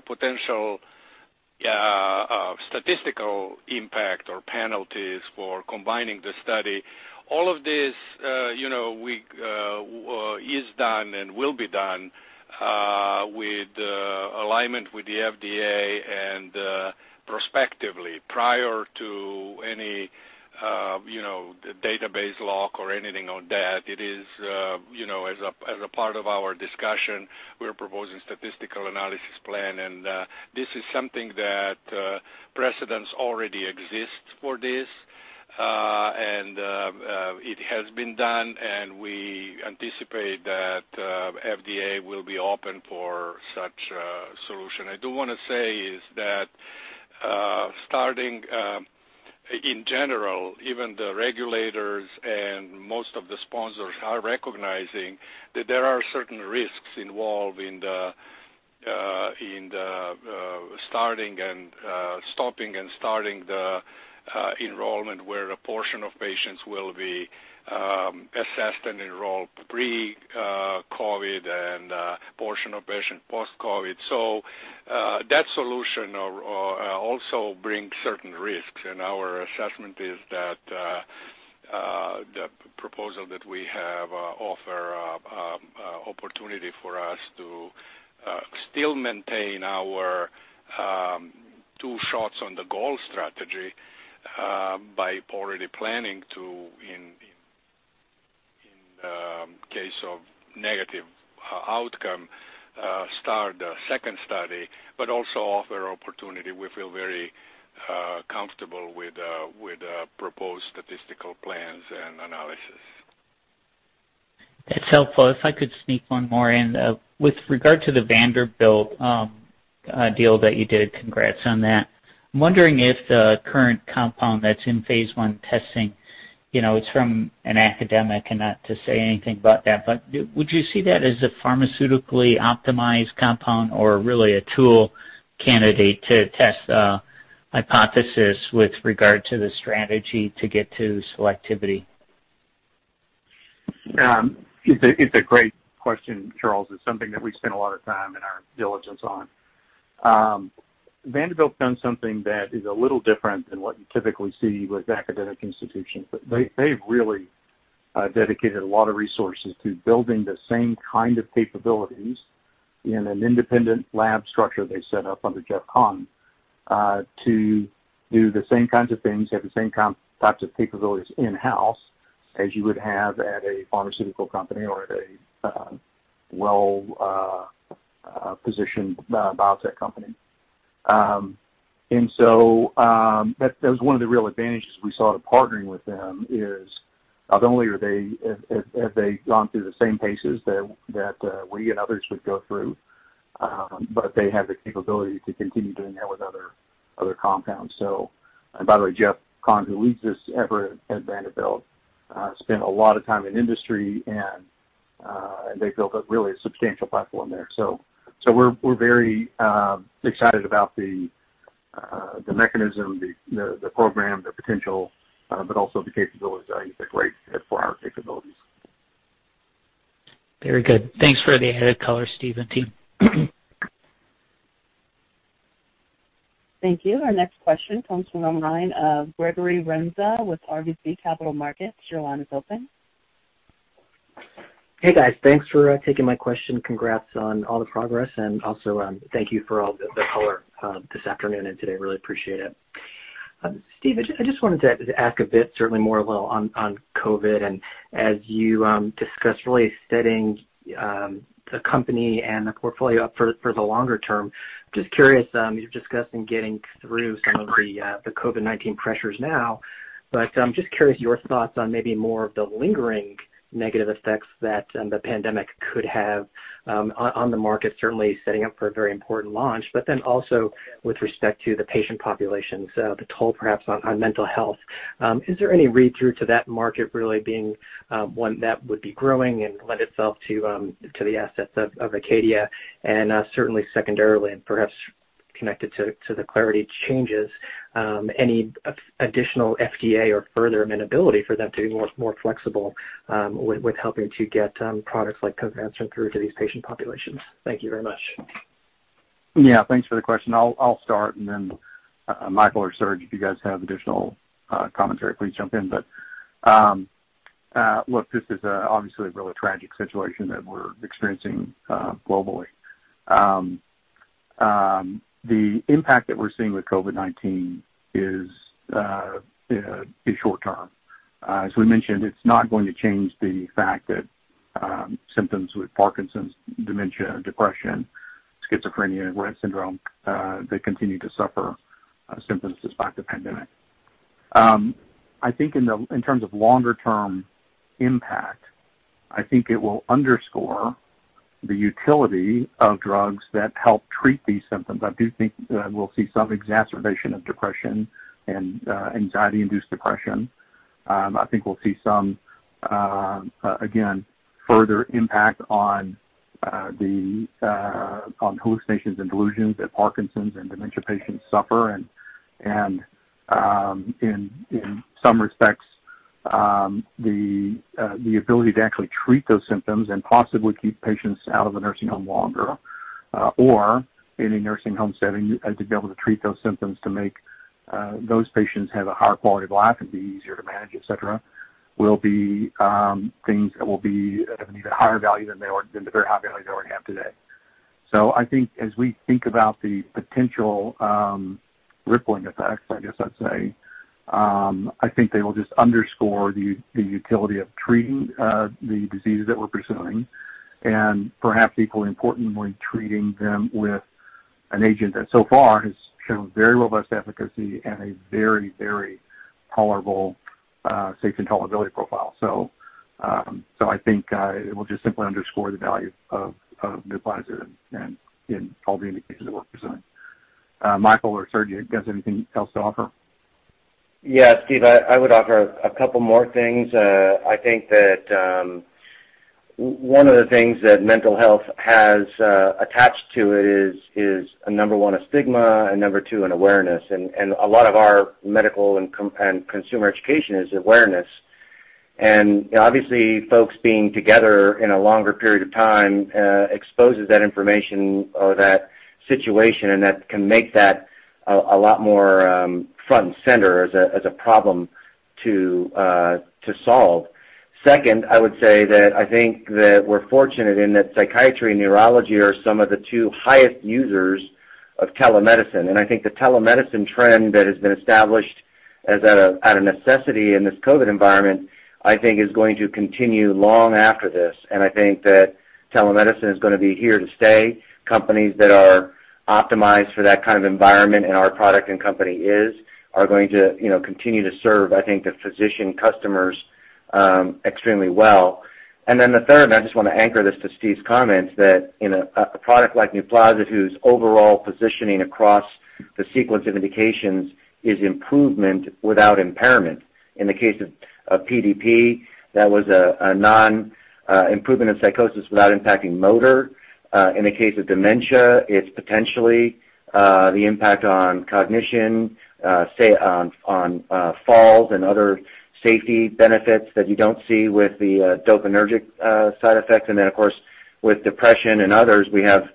potential statistical impact or penalties for combining the study, all of this is done and will be done with alignment with the FDA and prospectively prior to any database lock or anything on that. As a part of our discussion, we're proposing statistical analysis plan, and this is something that precedents already exist for this. It has been done, and we anticipate that FDA will be open for such a solution. I do want to say is that starting, in general, even the regulators and most of the sponsors are recognizing that there are certain risks involved in the stopping and starting the enrollment, where a portion of patients will be assessed and enrolled pre-COVID and a portion of patients post-COVID. That solution also brings certain risks our assessment is that the proposal that we have offer opportunity for us to still maintain our two shots on the goal strategy by already planning to, in case of negative outcome, start the second study, but also offer opportunity. We feel very comfortable with the proposed statistical plans and analysis. That's helpful. If I could sneak one more in. With regard to the Vanderbilt deal that you did, congrats on that. I'm wondering if the current compound that's in phase I testing, it's from an academic and not to say anything about that, but would you see that as a pharmaceutically optimized compound or really a tool candidate to test a hypothesis with regard to the strategy to get to selectivity? It's a great question, Charles. It's something that we spend a lot of time and our diligence on. Vanderbilt's done something that is a little different than what you typically see with academic institutions, but they've really dedicated a lot of resources to building the same kind of capabilities in an independent lab structure they set up under Jeff Conn to do the same kinds of things, have the same types of capabilities in-house as you would have at a pharmaceutical company or at a well-positioned biotech company. That was one of the real advantages we saw to partnering with them is not only have they gone through the same paces that we and others would go through, but they have the capability to continue doing that with other compounds. By the way, Jeff Conn, who leads this effort at Vanderbilt, spent a lot of time in industry and they built a really substantial platform there. We're very excited about the mechanism, the program, the potential, but also the capabilities. I think it's a great fit for our capabilities. Very good. Thanks for the added color, Steve and team. Thank you. Our next question comes from the line of Gregory Renza with RBC Capital Markets. Your line is open. Hey, guys. Thanks for taking my question. Congrats on all the progress, and also thank you for all the color this afternoon and today. Really appreciate it. Steve, I just wanted to ask a bit, certainly more a little on COVID, and as you discussed really setting the company and the portfolio up for the longer term. Just curious, you're discussing getting through some of the COVID-19 pressures now, but just curious your thoughts on maybe more of the lingering negative effects that the pandemic could have on the market, certainly setting up for a very important launch, but then also with respect to the patient populations, the toll perhaps on mental health. Is there any read-through to that market really being one that would be growing and lend itself to the assets of ACADIA and certainly secondarily and perhaps connected to the CLARITY changes, any additional FDA or further amenability for them to be more flexible with helping to get products like Covance through to these patient populations? Thank you very much. Yeah. Thanks for the question. I'll start, and then Michael or Serge, if you guys have additional commentary, please jump in. Look, this is obviously a really tragic situation that we're experiencing globally. The impact that we're seeing with COVID-19 is short-term. As we mentioned, it's not going to change the fact that symptoms with Parkinson's, dementia, and depression schizophrenia and Rett syndrome that continue to suffer symptoms despite the pandemic. I think in terms of longer-term impact, I think it will underscore the utility of drugs that help treat these symptoms. I do think that we'll see some exacerbation of depression and anxiety-induced depression. I think we'll see some, again, further impact on hallucinations and delusions that Parkinson's and dementia patients suffer, and in some respects, the ability to actually treat those symptoms and possibly keep patients out of the nursing home longer. In a nursing home setting, to be able to treat those symptoms to make those patients have a higher quality of life and be easier to manage, et cetera, will be things that will be of an even higher value than the very high value they already have today. I think as we think about the potential rippling effects, I guess I'd say, I think they will just underscore the utility of treating the diseases that we're pursuing, and perhaps equally importantly, treating them with an agent. That so far has shown very robust efficacy and a very, very tolerable safety and tolerability profile. I think it will just simply underscore the value of Nuplazid in all the indications that we're pursuing. Michael or Serge, you guys have anything else to offer? Yeah, Steve, I would offer a couple more things. I think that one of the things that mental health has attached to it is, number one, a stigma, and number two, an awareness. A lot of our medical and consumer education is awareness. Obviously folks being together in a longer period of time, exposes that information or that situation, and that can make that a lot more front and center as a problem to solve. Second, I would say that I think that we're fortunate in that psychiatry and neurology are some of the two highest users of telemedicine. I think the telemedicine trend that has been established as a necessity in this COVID environment, I think is going to continue long after this. I think that telemedicine is going to be here to stay. Companies that are optimized for that kind of environment, and our product and company is, are going to continue to serve, I think, the physician customers extremely well. The third, and I just want to anchor this to Steve's comments, that in a product like Nuplazid, whose overall positioning across the sequence of indications is improvement without impairment. In the case of PDP, that was a non-improvement of psychosis without impacting motor. In the case of dementia, it's potentially the impact on cognition, say, on falls and other safety benefits that you don't see with the dopaminergic side effects. of course, with depression and others, we have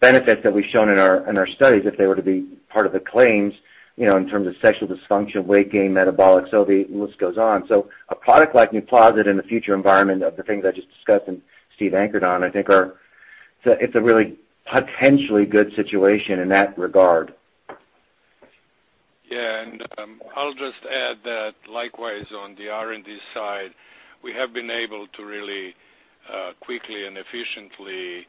benefits that we've shown in our studies. If they were to be part of the claims, in terms of sexual dysfunction, weight gain, metabolic, the list goes on a product like Nuplazid in the future environment of the things I just discussed and Steve anchored on, I think it's a really potentially good situation in that regard. Yeah. I'll just add that likewise on the R&D side, we have been able to really quickly and efficiently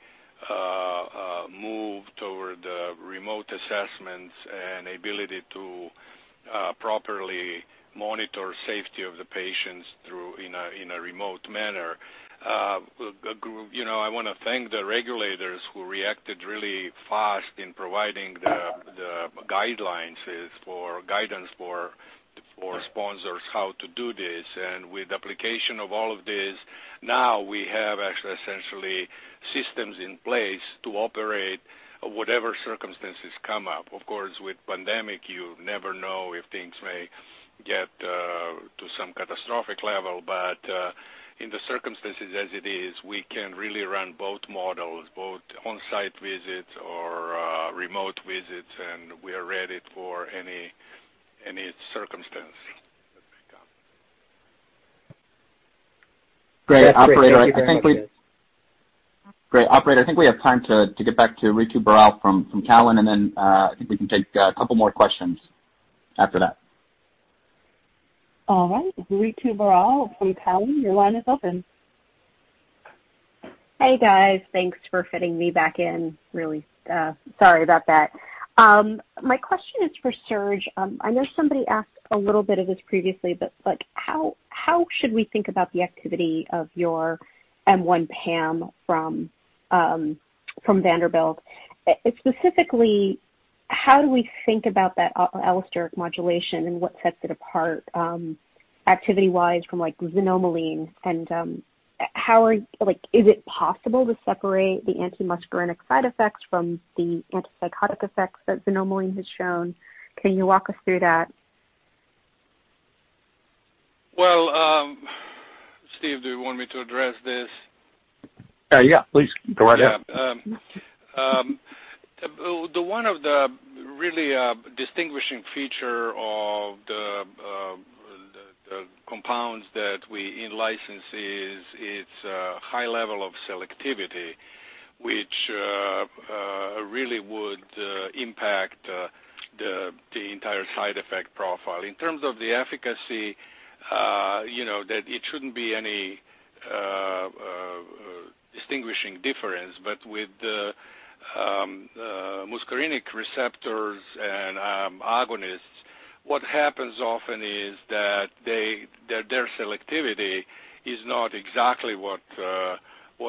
move toward remote assessments and ability to properly monitor safety of the patients in a remote manner. I want to thank the regulators who reacted really fast in providing the guidelines or guidance for sponsors on how to do this. With application of all of this, now we have actually essentially systems in place to operate whatever circumstances come up. Of course, with pandemic, you never know if things may get to some catastrophic level. In the circumstances as it is, we can really run both models, both on-site visits or remote visits, and we are ready for any circumstance that may come. Great. Operator, I think we have time to get back to Ritu Baral from Cowen, and then I think we can take a couple more questions after that. All right. Ritu Baral from Cowen, your line is open. Hey, guys. Thanks for fitting me back in. Really sorry about that. My question is for Serge. I know somebody asked a little bit of this previously, but how should we think about the activity of your M1 PAM from Vanderbilt? Specifically, how do we think about that allosteric modulation and what sets it apart activity-wise from xanomeline? Is it possible to separate the antimuscarinic side effects from the antipsychotic effects that xanomeline has shown? Can you walk us through that? Well, Steve, do you want me to address this? Yeah, please. Go right ahead. Yeah. One of the really distinguishing feature of the compounds that we in-license is its high level of selectivity, which really would impact the entire side effect profile. In terms of the efficacy, that it shouldn't be any distinguishing difference. with the muscarinic receptors and agonists, what happens often is that their selectivity is not exactly what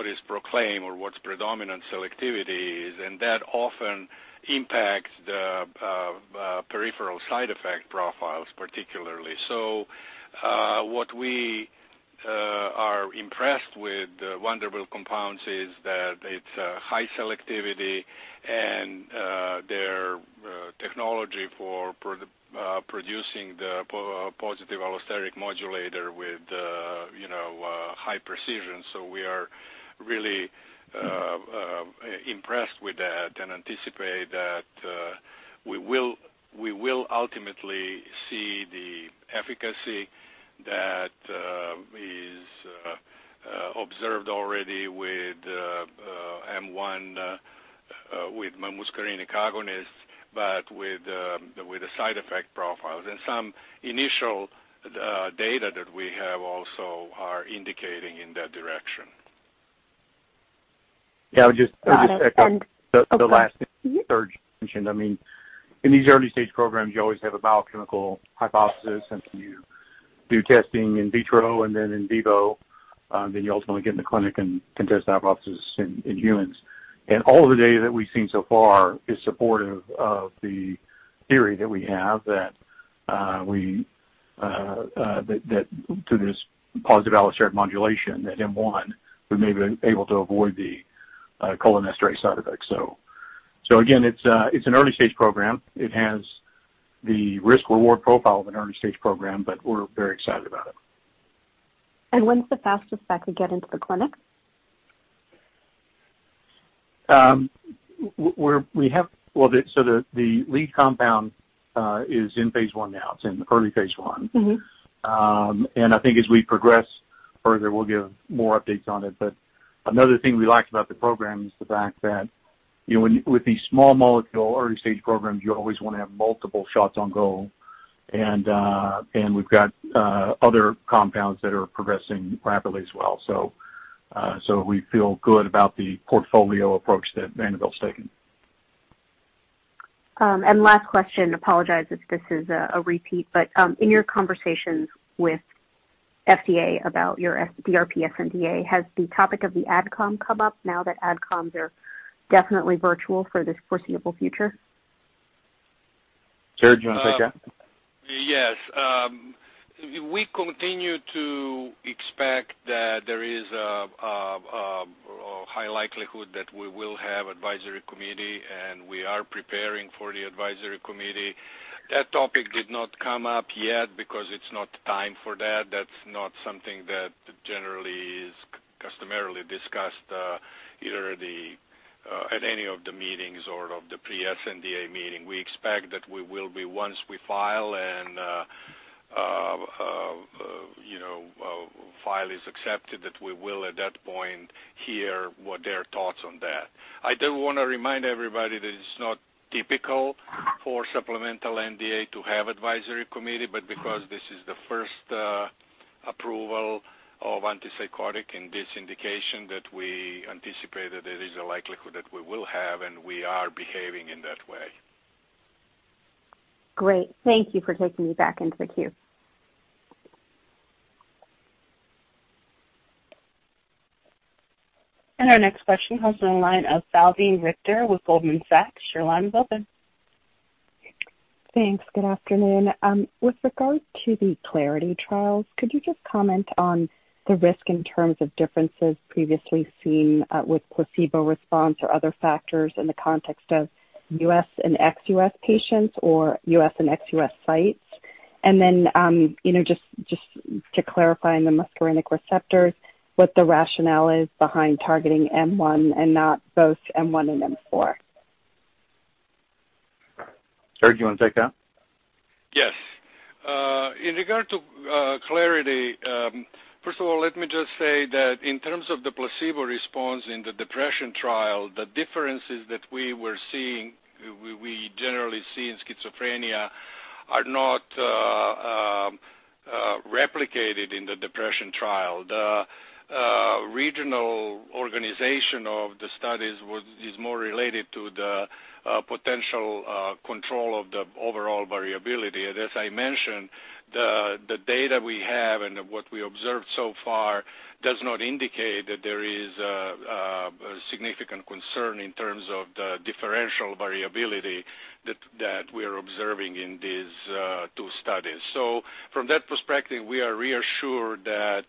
is proclaimed or what's predominant selectivity is. That often impacts the peripheral side effect profiles, particularly. what we are impressed with Vanderbilt compounds is that it's a high selectivity and their technology for producing the positive allosteric modulator with high precision. we are really impressed with that and anticipate that we will ultimately see the efficacy that is observed already with M1, with muscarinic agonists, but with the side effect profiles. some initial data that we have also are indicating in that direction. Yeah. Just to second the last thing Serge mentioned. In these early-stage programs, you always have a biochemical hypothesis, and you do testing in vitro and then in vivo, then you ultimately get in the clinic and can test the hypothesis in humans. All of the data that we've seen so far is supportive of the theory that we have that through this positive allosteric modulation at M1, we may be able to avoid the cholinergic side effects. Again, it's an early-stage program. It has the risk-reward profile of an early-stage program, but we're very excited about it. When's the fastest that could get into the clinic? The lead compound is in phase I now. It's in early phase I. I think as we progress further, we'll give more updates on it. another thing we like about the program is the fact that with these small molecule early-stage programs, you always want to have multiple shots on goal. we've got other compounds that are progressing rapidly as well. we feel good about the portfolio approach that Vanderbilt's taken. Last question, apologize if this is a repeat, but in your conversations with FDA about your DRP sNDA, has the topic of the AdCom come up now that AdComs are definitely virtual for this foreseeable future? Serge, do you want to take that? Yes. We continue to expect that there is a high likelihood that we will have advisory committee, and we are preparing for the advisory committee. That topic did not come up yet because it's not time for that. That's not something that generally is customarily discussed at any of the meetings or of the pre-sNDA meeting. We expect that we will be, once we file and file is accepted, that we will at that point hear what their thoughts on that. I do want to remind everybody that it's not typical for supplemental NDA to have advisory committee. Because this is the first approval of antipsychotic in this indication that we anticipate that there is a likelihood that we will have, and we are behaving in that way. Great. Thank you for taking me back into the queue. Our next question comes on the line of Salveen Richter with Goldman Sachs. Your line is open. Thanks. Good afternoon. With regard to the Clarity trials, could you just comment on the risk in terms of differences previously seen with placebo response or other factors in the context of U.S. and ex-U.S. patients or U.S. and ex-U.S. sites? Just to clarify in the muscarinic receptors, what the rationale is behind targeting M1 and not both M1 and M4? Serge, do you want to take that? Yes. In regard to Clarity, first of all, let me just say that in terms of the placebo response in the depression trial, the differences that we generally see in schizophrenia are not replicated in the depression trial. The regional organization of the studies is more related to the potential control of the overall variability. As I mentioned, the data we have and what we observed so far does not indicate that there is a significant concern in terms of the differential variability that we're observing in these two studies. From that perspective, we are reassured that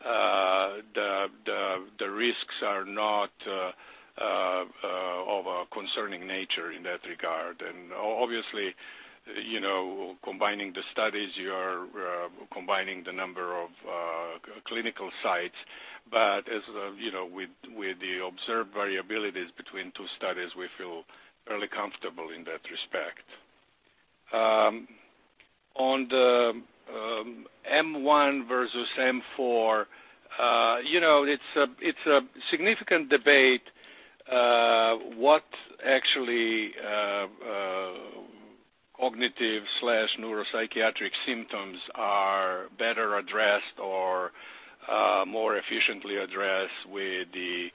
the risks are not of a concerning nature in that regard. Obviously, combining the studies, you are combining the number of clinical sites with the observed variabilities between two studies, we feel fairly comfortable in that respect. On the M1 versus M4, it's a significant debate what actually cognitive/neuropsychiatric symptoms are better addressed or more efficiently addressed with the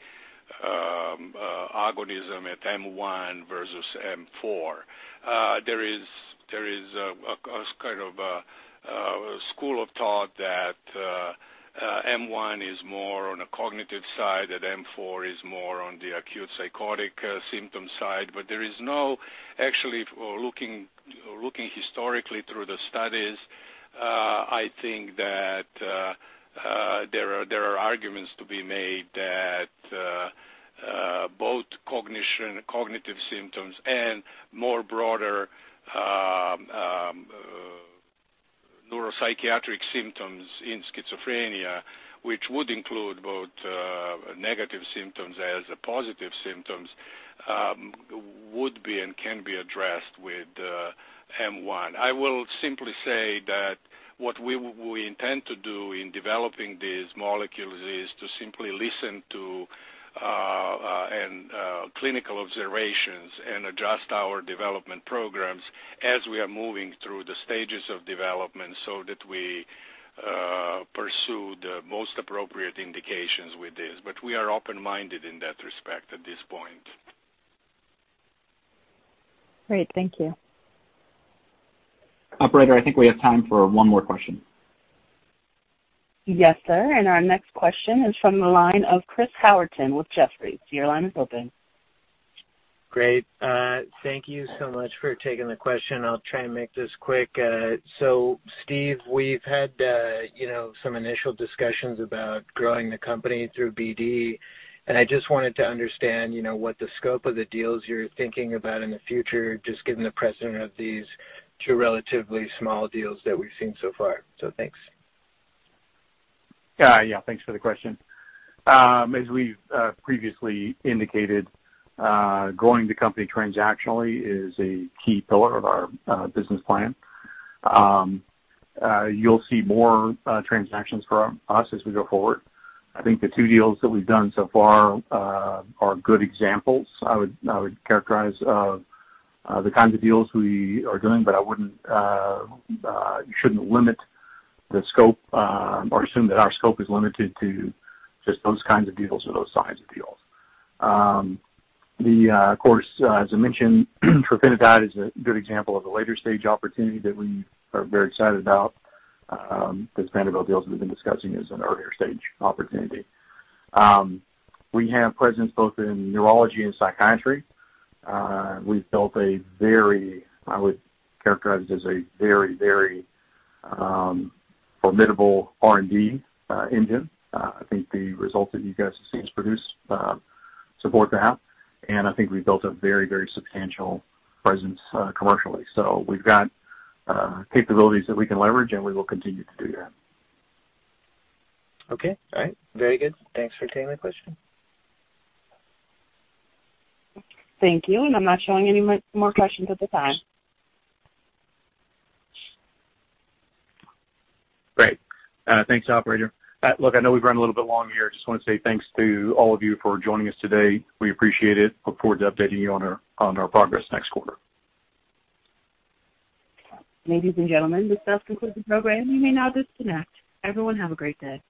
agonism at M1 versus M4. There is a school of thought that M1 is more on a cognitive side, that M4 is more on the acute psychotic symptom side, but there is no actually, looking historically through the studies, I think that there are arguments to be made that both cognition, cognitive symptoms, and more broader neuropsychiatric symptoms in schizophrenia, which would include both negative symptoms as positive symptoms, would be and can be addressed with M1. I will simply say that what we intend to do in developing these molecules is to simply listen to clinical observations and adjust our development programs as we are moving through the stages of development so that we pursue the most appropriate indications with this. We are open-minded in that respect at this point. Great. Thank you. Operator, I think we have time for one more question. Yes, sir. Our next question is from the line of Chris Howerton with Jefferies. Your line is open. Great. Thank you so much for taking the question. I'll try and make this quick. Steve, we've had some initial discussions about growing the company through BD, and I just wanted to understand what the scope of the deals you're thinking about in the future, just given the precedent of these two relatively small deals that we've seen so far. Thanks. Yeah. Thanks for the question. As we've previously indicated, growing the company transactionally is a key pillar of our business plan. You'll see more transactions from us as we go forward. I think the two deals that we've done so far are good examples, I would characterize, of the kinds of deals we are doing, but you shouldn't limit the scope or assume that our scope is limited to just those kinds of deals or those size of deals. Of course, as I mentioned, Trofinetide is a good example of a later-stage opportunity that we are very excited about. The Spina Bifida deals we've been discussing is an earlier stage opportunity. We have presence both in neurology and psychiatry. We've built a very, I would characterize as a very, very formidable R&D engine. I think the results that you guys have seen us produce support that, and I think we've built a very, very substantial presence commercially. We've got capabilities that we can leverage, and we will continue to do that. Okay. All right. Very good. Thanks for taking my question. Thank you. I'm not showing any more questions at this time. Great. Thanks, operator. Look, I know we've run a little bit long here. Just want to say thanks to all of you for joining us today. We appreciate it. Look forward to updating you on our progress next quarter. Ladies and gentlemen, this does conclude the program. You may now disconnect. Everyone have a great day.